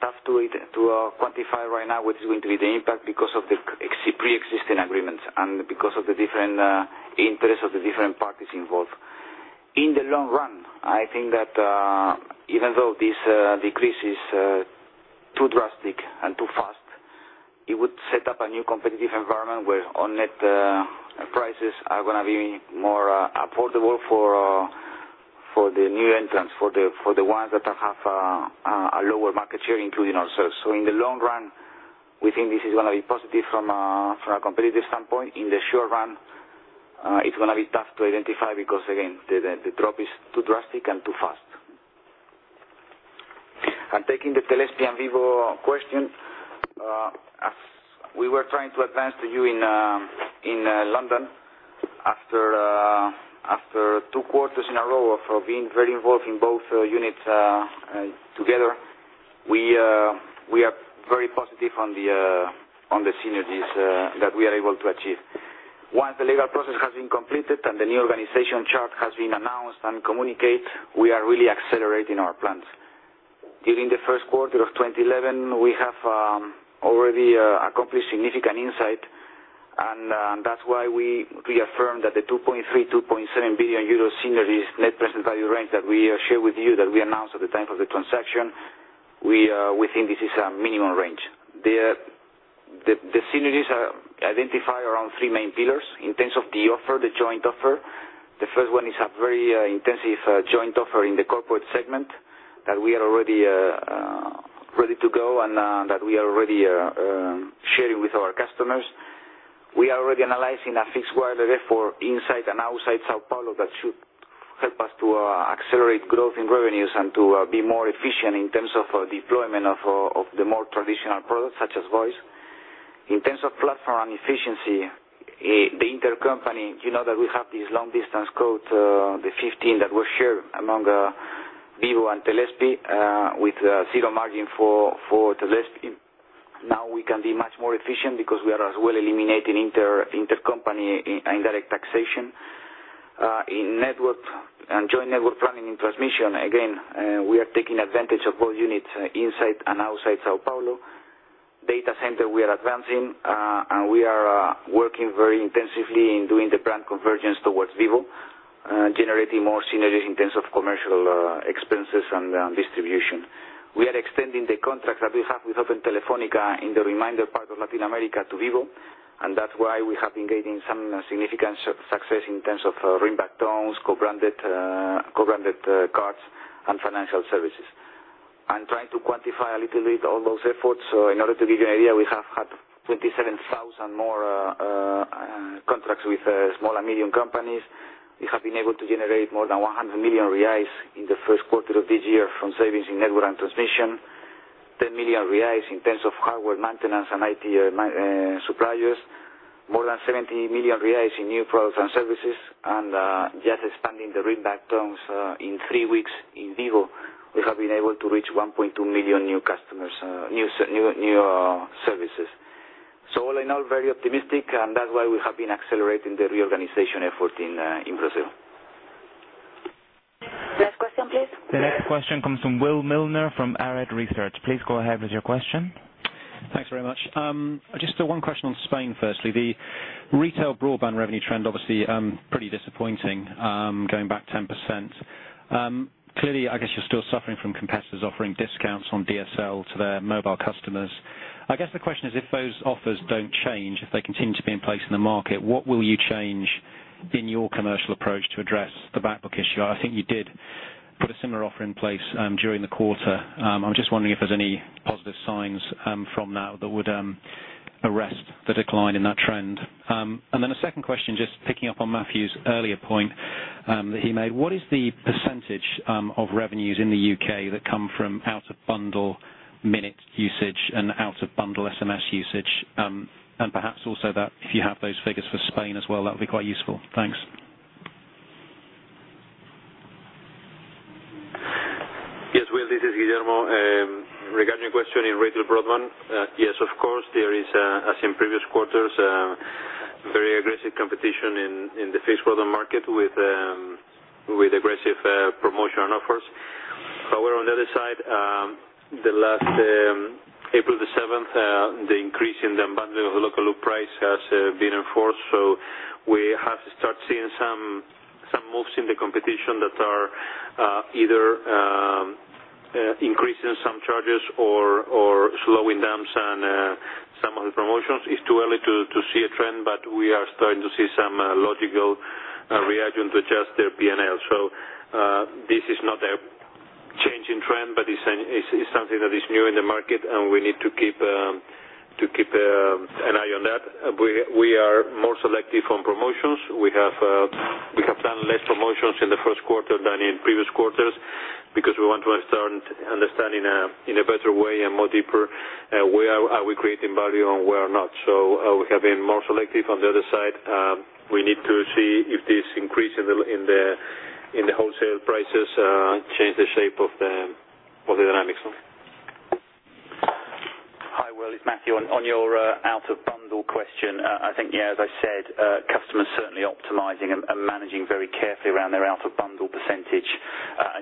Speaker 5: tough to quantify right now what is going to be the impact because of the preexisting agreements and because of the different interests of the different parties involved. In the long run, I think that even though this decrease is too drastic and too fast, it would set up a new competitive environment where on-net prices are going to be more affordable for the new entrants, for the ones that have a lower market share, including ourselves. In the long run, we think this is going to be positive from a competitive standpoint. In the short run, it's going to be tough to identify because, again, the drop is too drastic and too fast. Taking the Telesp and Vivo question, we were trying to advance to you in London after two quarters in a row of being very involved in both units together. We are very positive on the synergies that we are able to achieve. Once the legal process has been completed and the new organization chart has been announced and communicated, we are really accelerating our plans. During the first quarter of 2011, we have already accomplished significant insights, and that's why we reaffirm that the 2.3 billion, 2.7 billion euro synergies net present value range that we shared with you, that we announced at the time of the transaction, we think this is a minimum range. The synergies identify around three main pillars in terms of the offer, the joint offer. The first one is a very intensive joint offer in the corporate segment that we are already ready to go and that we are already sharing with our customers. We are already analyzing a fixed wireless for inside and outside São Paulo that should help us to accelerate growth in revenues and to be more efficient in terms of deployment of the more traditional products, such as voice. In terms of platform and efficiency, the intercompany, you know that we have this long-distance code, the 15, that was shared among Vivo and Telesp, with zero margin for Telesp. Now we can be much more efficient because we are as well eliminating intercompany indirect taxation. In network and joint network planning in transmission, again, we are taking advantage of all units inside and outside São Paulo. Data center, we are advancing, and we are working very intensively in doing the brand convergence towards Vivo, generating more synergies in terms of commercial expenses and distribution. We are extending the contract that we have with Open Telefónica in the remainder part of Latin America to Vivo, and that's why we have been gaining some significant success in terms of ringback tones, co-branded cards, and financial services. I'm trying to quantify a little bit all those efforts. In order to give you an idea, we have had 27,000 more contracts with small and medium companies. We have been able to generate more than 100 million reais in the first quarter of this year from savings in network and transmission, 10 million reais in terms of hardware maintenance and IT suppliers, more than 70 million reais in new products and services, and just expanding the ringback tones in three weeks in Vivo, we have been able to reach 1.2 million new customers, new services. All in all, very optimistic, and that's why we have been accelerating the reorganization effort in Brazil.
Speaker 1: Next question, please.
Speaker 3: The next question comes from Will Milner from Arete Research. Please go ahead with your question.
Speaker 15: Thanks very much. Just one question on Spain firstly. The retail broadband revenue trend, obviously, pretty disappointing, going back 10%. Clearly, I guess you're still suffering from competitors offering discounts on DSL to their mobile customers. I guess the question is, if those offers don't change, if they continue to be in place in the market, what will you change in your commercial approach to address the backbook issue? I think you did put a similar offer in place during the quarter. I'm just wondering if there's any positive signs from that that would arrest the decline in that trend. A second question, just picking up on Matthew's earlier point that he made. What is the percentage of revenues in the U.K. that come from out-of-bundle minutes usage and out-of-bundle SMS usage? Perhaps also that if you have those figures for Spain as well, that would be quite useful. Thanks.
Speaker 9: Yes, Will. This is Guillermo. Regarding your question in retail broadband, yes, of course, there is, as in previous quarters, very aggressive competition in the fixed broadband market with aggressive promotion and offers. However, on the other side, last April 7th, the increase in the unbundling of the local loop price has been enforced. We have started seeing some moves in the competition that are either increasing some charges or slowing down some of the promotions. It's too early to see a trend, but we are starting to see some logical reaction to adjust their P&L. This is not a changing trend, but it's something that is new in the market, and we need to keep an eye on that. We are more selective on promotions. We have done fewer promotions in the first quarter than in previous quarters because we want to understand in a better way and more deeply where we are creating value and where we are not. We have been more selective. On the other side, we need to see if this increase in the wholesale prices changes the shape of the dynamics.
Speaker 6: Hi, Will. It's Matthew. On your out-of-bundle question, I think, yeah, as I said, customers certainly optimizing and managing very carefully around their out-of-bundle percentage.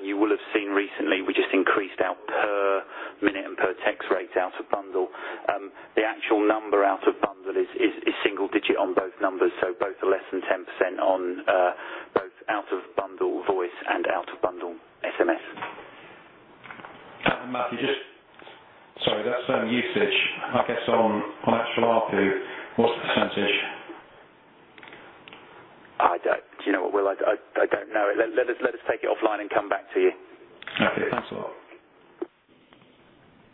Speaker 6: You will have seen recently, we just increased our per-minute and per-text rates out-of-bundle. The actual number out-of-bundle is single-digit on both numbers. Both are less than 10% on both out-of-bundle voice and out-of-bundle.
Speaker 15: I guess on actual ARPU, what's the percentage?
Speaker 6: Do you know what, Will? I don't know. Let us take it offline and come back to you.
Speaker 15: Okay, thanks a lot.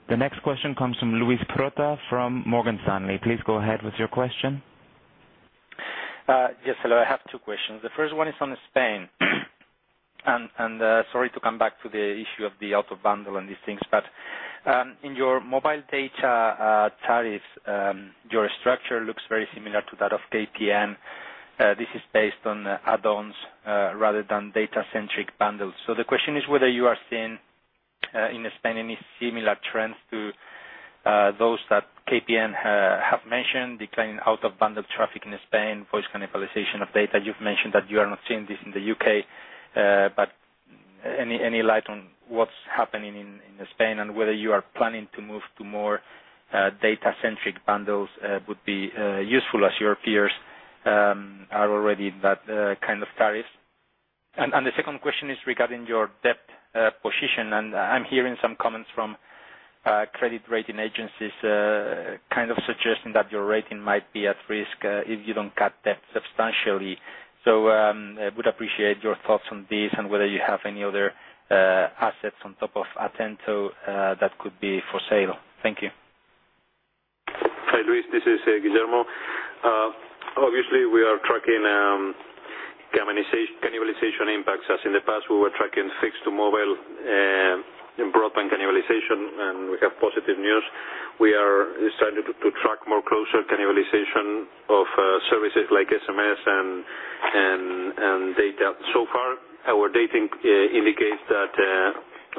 Speaker 3: The next question comes from Luis Prota from Morgan Stanley. Please go ahead with your question.
Speaker 16: Yes, hello. I have two questions. The first one is on Spain. Sorry to come back to the issue of the out-of-bundle and these things, but in your mobile data tariffs, your structure looks very similar to that of KPN. This is based on add-ons rather than data-centric bundles. The question is whether you are seeing in Spain any similar trends to those that KPN have mentioned, declining out-of-bundle traffic in Spain, voice cannibalization of data. You've mentioned that you are not seeing this in the U.K. Any light on what's happening in Spain and whether you are planning to move to more data-centric bundles would be useful as your peers are already in that kind of tariff. The second question is regarding your debt position. I'm hearing some comments from credit rating agencies kind of suggesting that your rating might be at risk if you don't cut debt substantially. I would appreciate your thoughts on this and whether you have any other assets on top of Atento that could be for sale. Thank you.
Speaker 9: Hi, Luis. This is Guillermo. Obviously, we are tracking cannibalization impacts. As in the past, we were tracking fixed to mobile and broadband cannibalization, and we have positive news. We are starting to track more closely cannibalization of services like SMS and data. So far, our data indicates that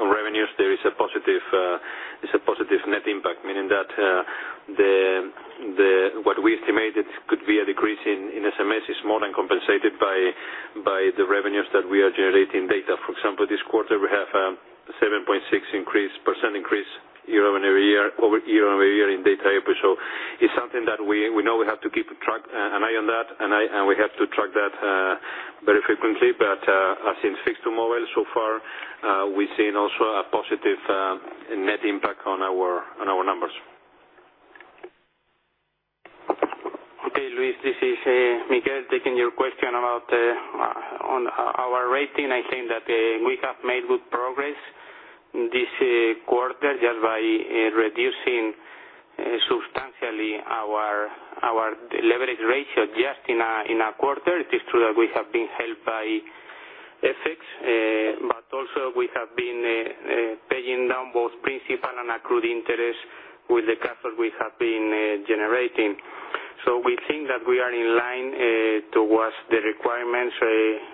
Speaker 9: on revenues, there is a positive net impact, meaning that what we estimated could be a decrease in SMS is more than compensated by the revenues that we are generating in data. For example, this quarter, we have a 7.6% increase year-over-year in data API. It is something that we know we have to keep an eye on, and we have to track that very frequently. As in fixed to mobile, so far, we've seen also a positive net impact on our numbers.
Speaker 17: Okay, Luis. This is Miguel. Taking your question about our rating, I think that we have made good progress in this quarter just by reducing substantially our leverage ratio just in a quarter. It is true that we have been helped by FX, but also we have been paying down both principal and accrued interest with the capital we have been generating. We think that we are in line towards the requirements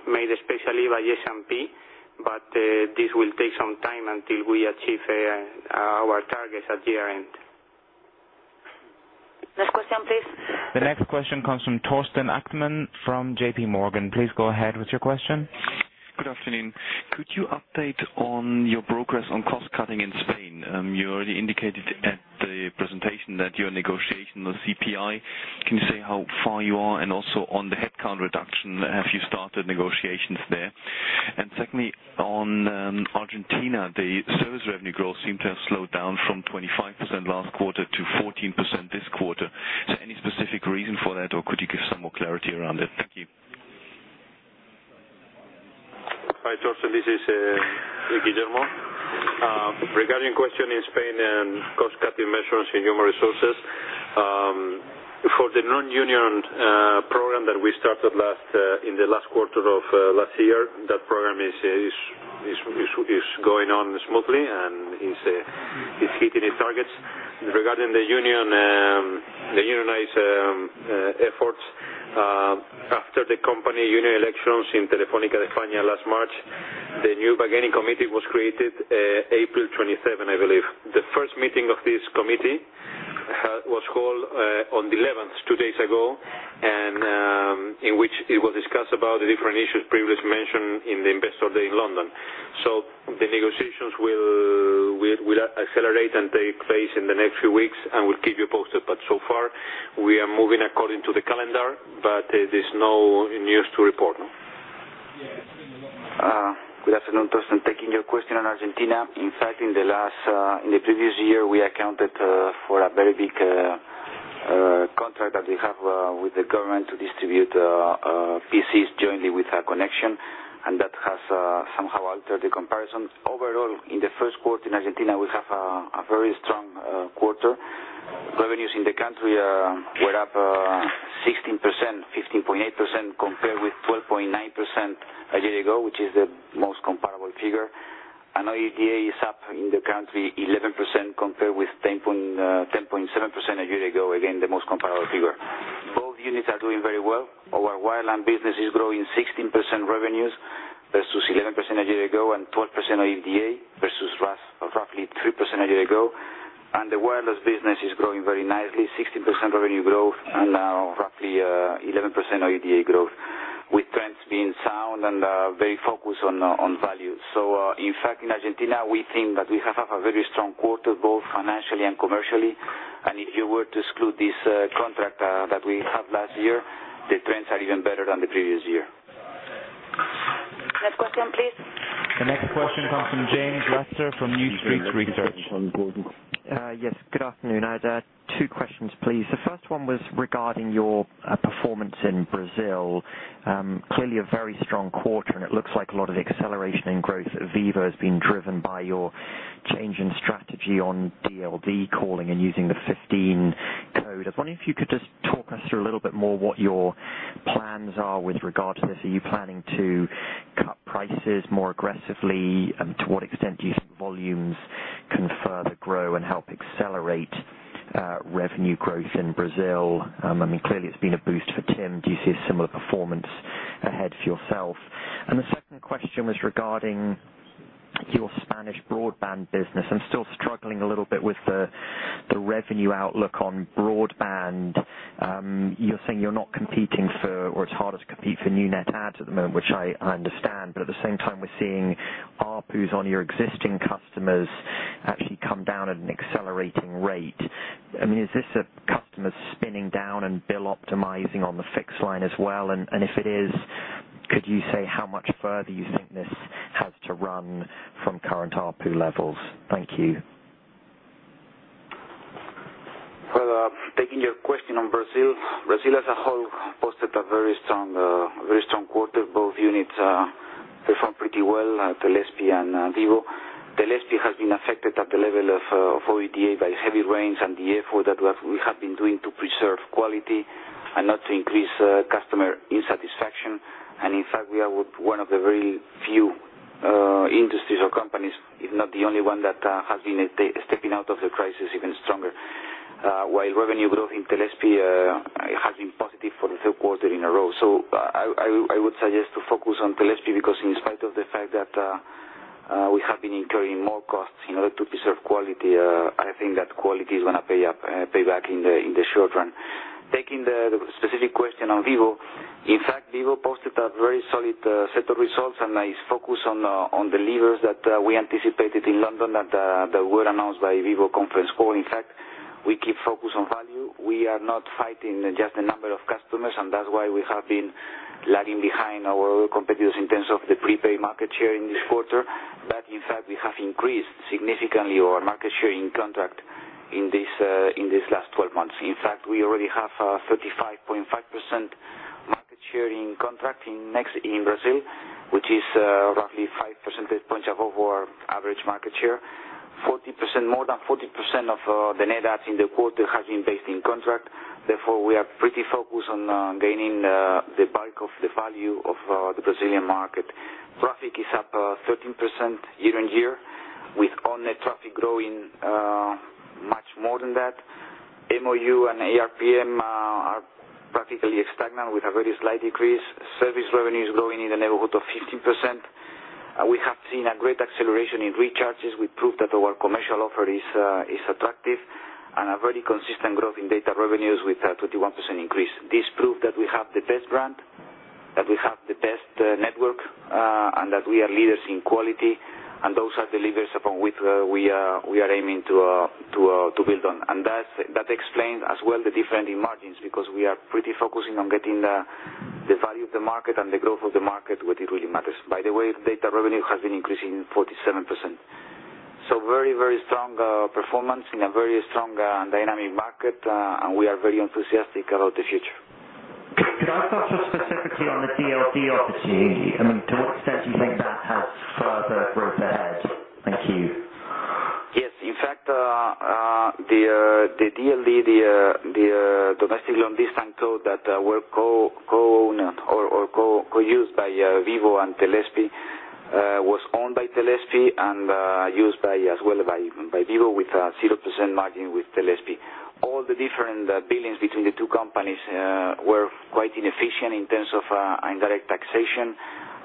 Speaker 17: made especially by S&P, but this will take some time until we achieve our targets at year-end.
Speaker 1: Next question, please.
Speaker 3: The next question comes from Torsten Achtmann from JPMorgan. Please go ahead with your question.
Speaker 18: Good afternoon. Could you update on your progress on cost cutting in Spain? You already indicated at the presentation that you're negotiating the CPI. Can you say how far you are? Also, on the headcount reduction, have you started negotiations there? Secondly, on Argentina, the service revenue growth seemed to have slowed down from 25% last quarter to 14% this quarter. Any specific reason for that, or could you give some more clarity around it? Thank you.
Speaker 9: Hi, Torsten. This is Guillermo. Regarding the question in Spain and cost-cutting measures in human resources, for the non-union program that we started in the last quarter of last year, that program is going on smoothly and is hitting its targets. Regarding the unionized efforts, after the company union elections in Telefónica España last March, the new bargaining committee was created April 27, I believe. The first meeting of this committee was held on the 11th, two days ago, in which it was discussed about the different issues previously mentioned in the Investor Day in London. The negotiations will accelerate and take place in the next few weeks, and we'll keep you posted. So far, we are moving according to the calendar, but there's no news to report.
Speaker 5: Good afternoon, Torsten. Taking your question on Argentina, in fact, in the previous year, we accounted for a very big contract that we have with the government to distribute PCs jointly with our connection, and that has somehow altered the comparison. Overall, in the first quarter in Argentina, we have a very strong quarter. Revenues in the country were up 16%, 15.8% compared with 12.9% a year ago, which is the most comparable figure. And OIBDA is up in the country 11% compared with 10.7% a year ago, again, the most comparable figure. Both units are doing very well. Our wireline business is growing 16% revenues versus 11% a year ago and 12% OIBDA versus roughly 3% a year ago. The wireless business is growing very nicely, 16% revenue growth and roughly 11% OIBDA growth, with trends being sound and very focused on value. In fact, in Argentina, we think that we have a very strong quarter, both financially and commercially. If you were to exclude this contract that we had last year, the trends are even better than the previous year.
Speaker 1: Next question, please.
Speaker 3: The next question comes from James Ratzer from New Street Research.
Speaker 19: Yes, good afternoon. I had two questions, please. The first one was regarding your performance in Brazil. Clearly, a very strong quarter, and it looks like a lot of the acceleration in growth at Vivo has been driven by your change in strategy on DLB calling and using the 15. I was wondering if you could just talk us through a little bit more what your plans are with regard to this. Are you planning to cut prices more aggressively? To what extent do you see volumes can further grow and help accelerate revenue growth in Brazil? I mean, clearly, it's been a boost for TIM. Do you see a similar performance ahead for yourself? The second question was regarding your Spanish broadband business. I'm still struggling a little bit with the revenue outlook on broadband. You're saying you're not competing for, or it's harder to compete for new net adds at the moment, which I understand. At the same time, we're seeing ARPUs on your existing customers actually come down at an accelerating rate. I mean, is this a customer spinning down and bill optimizing on the fixed line as well? If it is, could you say how much further you think this has to run from current ARPU levels? Thank you.
Speaker 5: Hi, there. Taking your question on Brazil, Brazil as a whole posted a very strong quarter. Both units performed pretty well, Telesp and Vivo. Telesp has been affected at the level of OIBDA by heavy rains and the effort that we have been doing to preserve quality and not to increase customer insatisfaction. In fact, we are one of the very few industries or companies, if not the only one, that has been stepping out of the crisis even stronger. Revenue growth in Telesp has been positive for the third quarter in a row. I would suggest to focus on Telesp because in spite of the fact that we have been incurring more costs in order to preserve quality, I think that quality is going to pay back in the short run. Taking the specific question on Vivo, in fact, Vivo posted a very solid set of results, and I focus on the levers that we anticipated in London that were announced by Vivo Conference. In fact, we keep focus on value. We are not fighting just the number of customers, and that's why we have been lagging behind our other competitors in terms of the prepaid market share in this quarter. In fact, we have increased significantly our market share in contract in these last 12 months. We already have a 35.5% market share in contract in Brazil, which is roughly five percentage points above our average market share. More than 40% of the net adds in the quarter have been based in contract. Therefore, we are pretty focused on gaining the bulk of the value of the Brazilian market. Traffic is up 13% year-on-year, with on-net traffic growing much more than that. MOU and ARPM are practically stagnant with a very slight decrease. Service revenue is growing in the neighborhood of 15%. We have seen a great acceleration in recharges. We proved that our commercial offer is attractive and a very consistent growth in data revenues with a 21% increase. This proves that we have the best brand, that we have the best network, and that we are leaders in quality. Those are the levers upon which we are aiming to build on. That explains as well the difference in margins because we are pretty focusing on getting the value of the market and the growth of the market, what really matters. By the way, data revenue has been increasing 47%. Very, very strong performance in a very strong and dynamic market, and we are very enthusiastic about the future.
Speaker 19: Could I ask specifically on the DLD opportunity? I mean, to what extent do you think that has further growth ahead? Thank you.
Speaker 5: Yes. In fact, the DLD, the domestic long-distance code that were co-used by Vivo and Telesp, was owned by Telesp and used as well by Vivo with a 0% margin with Telesp. All the different billings between the two companies were quite inefficient in terms of indirect taxation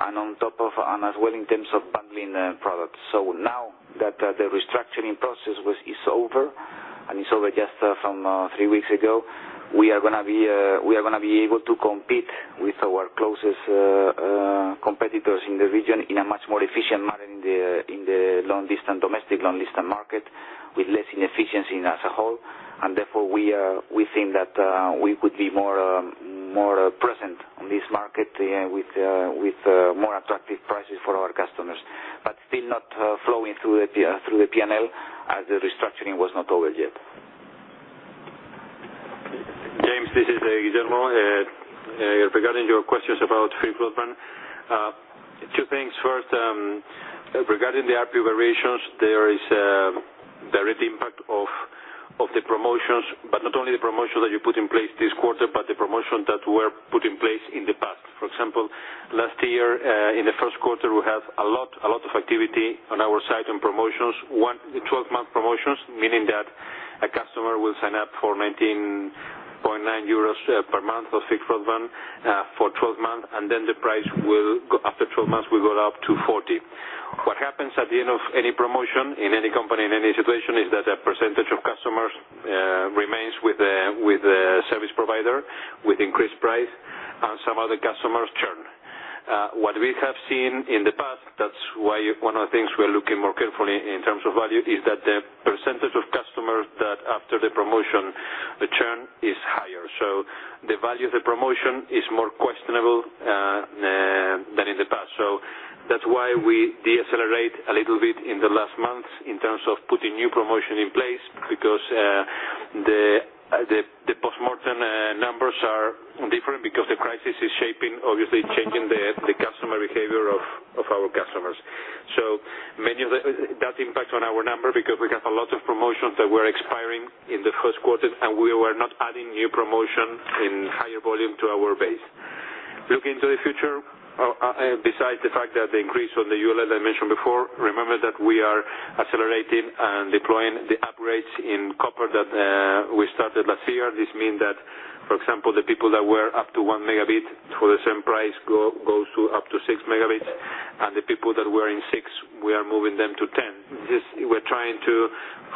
Speaker 5: and, on top of that, as well in terms of bundling products. Now that the restructuring process is over, and it's over just from three weeks ago, we are going to be able to compete with our closest competitors in the region in a much more efficient manner in the domestic long-distance market with less inefficiency as a whole. Therefore, we think that we could be more present in this market with more attractive prices for our customers. Still, not flowing through the P&L as the restructuring was not over yet.
Speaker 9: James, this is Guillermo. Regarding your questions about free broadband, two things. First, regarding the ARPU variations, there is a direct impact of the promotions, but not only the promotions that you put in place this quarter, but the promotions that were put in place in the past. For example, last year, in the first quarter, we had a lot of activity on our side on promotions, the 12-month promotions, meaning that a customer will sign up for 19.90 euros per month of fixed broadband for 12 months, and then the price will go after 12 months, we go up to 40. What happens at the end of any promotion in any company in any situation is that a percentage of customers remains with the service provider with increased price, and some other customers churn. What we have seen in the past, that's why one of the things we are looking more carefully in terms of value, is that the percentage of customers that after the promotion churn is higher. The value of the promotion is more questionable than in the past. That's why we decelerate a little bit in the last months in terms of putting new promotion in place, because the postmortem numbers are different because the crisis is shaping, obviously changing the customer behavior of our customers. Many of that impacts on our number because we have a lot of promotions that were expiring in the first quarter, and we were not adding new promotion in higher volume to our base. Looking into the future, besides the fact that the increase on the ULL that I mentioned before, remember that we are accelerating and deploying the upgrades in copper that we started last year. This means that, for example, the people that were up to 1 Mb for the same price go to up to 6 Mb, and the people that were in 6 Mb, we are moving them to 10 Mb. We're trying to,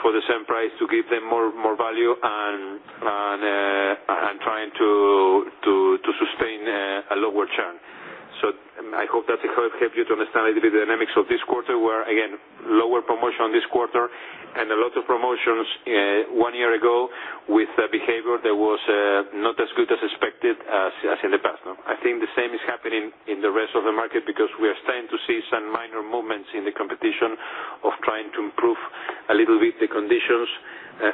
Speaker 9: for the same price, give them more value and trying to sustain a lower churn. I hope that helped you to understand a little bit of the dynamics of this quarter, where, again, lower promotion this quarter and a lot of promotions one year ago with a behavior that was not as good as expected as in the past. I think the same is happening in the rest of the market because we are starting to see some minor movements in the competition of trying to improve a little bit the conditions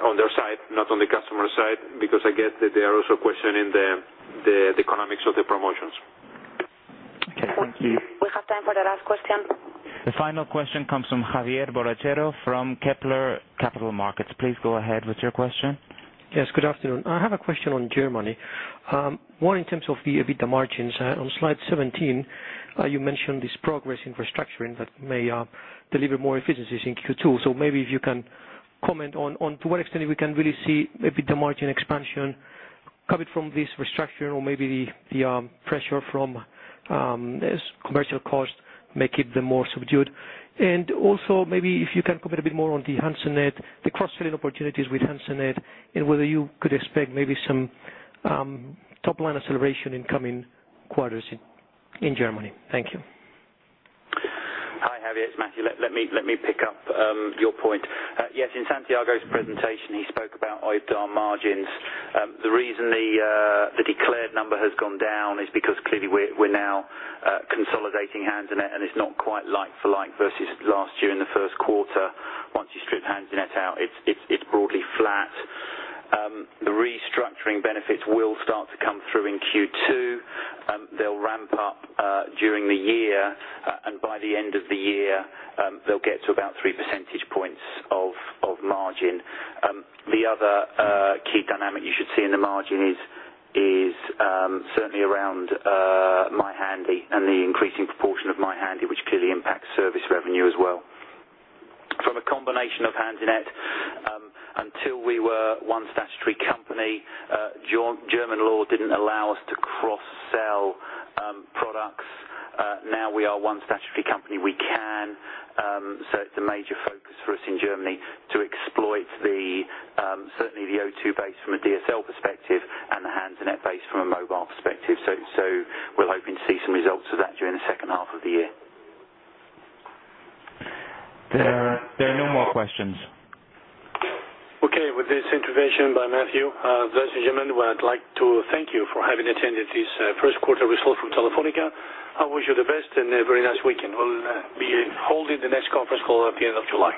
Speaker 9: on their side, not on the customer side, because I get that they are also questioning the economics of the promotions.
Speaker 19: Okay, thank you.
Speaker 1: We have time for the last question.
Speaker 3: The final question comes from Javier Borrachero from Kepler Capital Markets. Please go ahead with your question.
Speaker 20: Yes, good afternoon. I have a question on Germany. One, in terms of the EBITDA margins, on slide 17, you mentioned this progress in restructuring that may deliver more efficiencies in Q2. Maybe if you can comment on to what extent we can really see EBITDA margin expansion coming from this restructuring or maybe the pressure from commercial costs may keep them more subdued. Also, maybe if you can comment a bit more on the HanseNet, the cross-selling opportunities with HanseNet, and whether you could expect maybe some top-line acceleration in coming quarters in Germany. Thank you.
Speaker 6: Hi, Javier. It's Matthew. Let me pick up your point. Yes, in Santiago's presentation, he spoke about OIBDA margins. The reason the declared number has gone down is because clearly we're now consolidating HanseNet, and it's not quite like for like versus last year in the first quarter. Once you strip HanseNet out, it's broadly flat. The restructuring benefits will start to come through in Q2. They'll ramp up during the year, and by the end of the year, they'll get to about three percentage points of margin. The other key dynamic you should see in the margin is certainly around My Handy and the increasing proportion of My Handy, which clearly impacts service revenue as well. From a combination of HanseNet, until we were one statutory company, German law didn't allow us to cross-sell products. Now we are one statutory company, we can. It is a major focus for us in Germany to exploit certainly the O2 base from a DSL perspective and the HanseNet base from a mobile perspective. We are hoping to see some results of that during the second half of the year.
Speaker 3: There are no more questions.
Speaker 2: Okay, with this intervention by Matthew, I'd like to thank you for having attended this first quarter with us from Telefónica. I wish you the best and a very nice weekend. We'll be holding the next conference call at the end of July.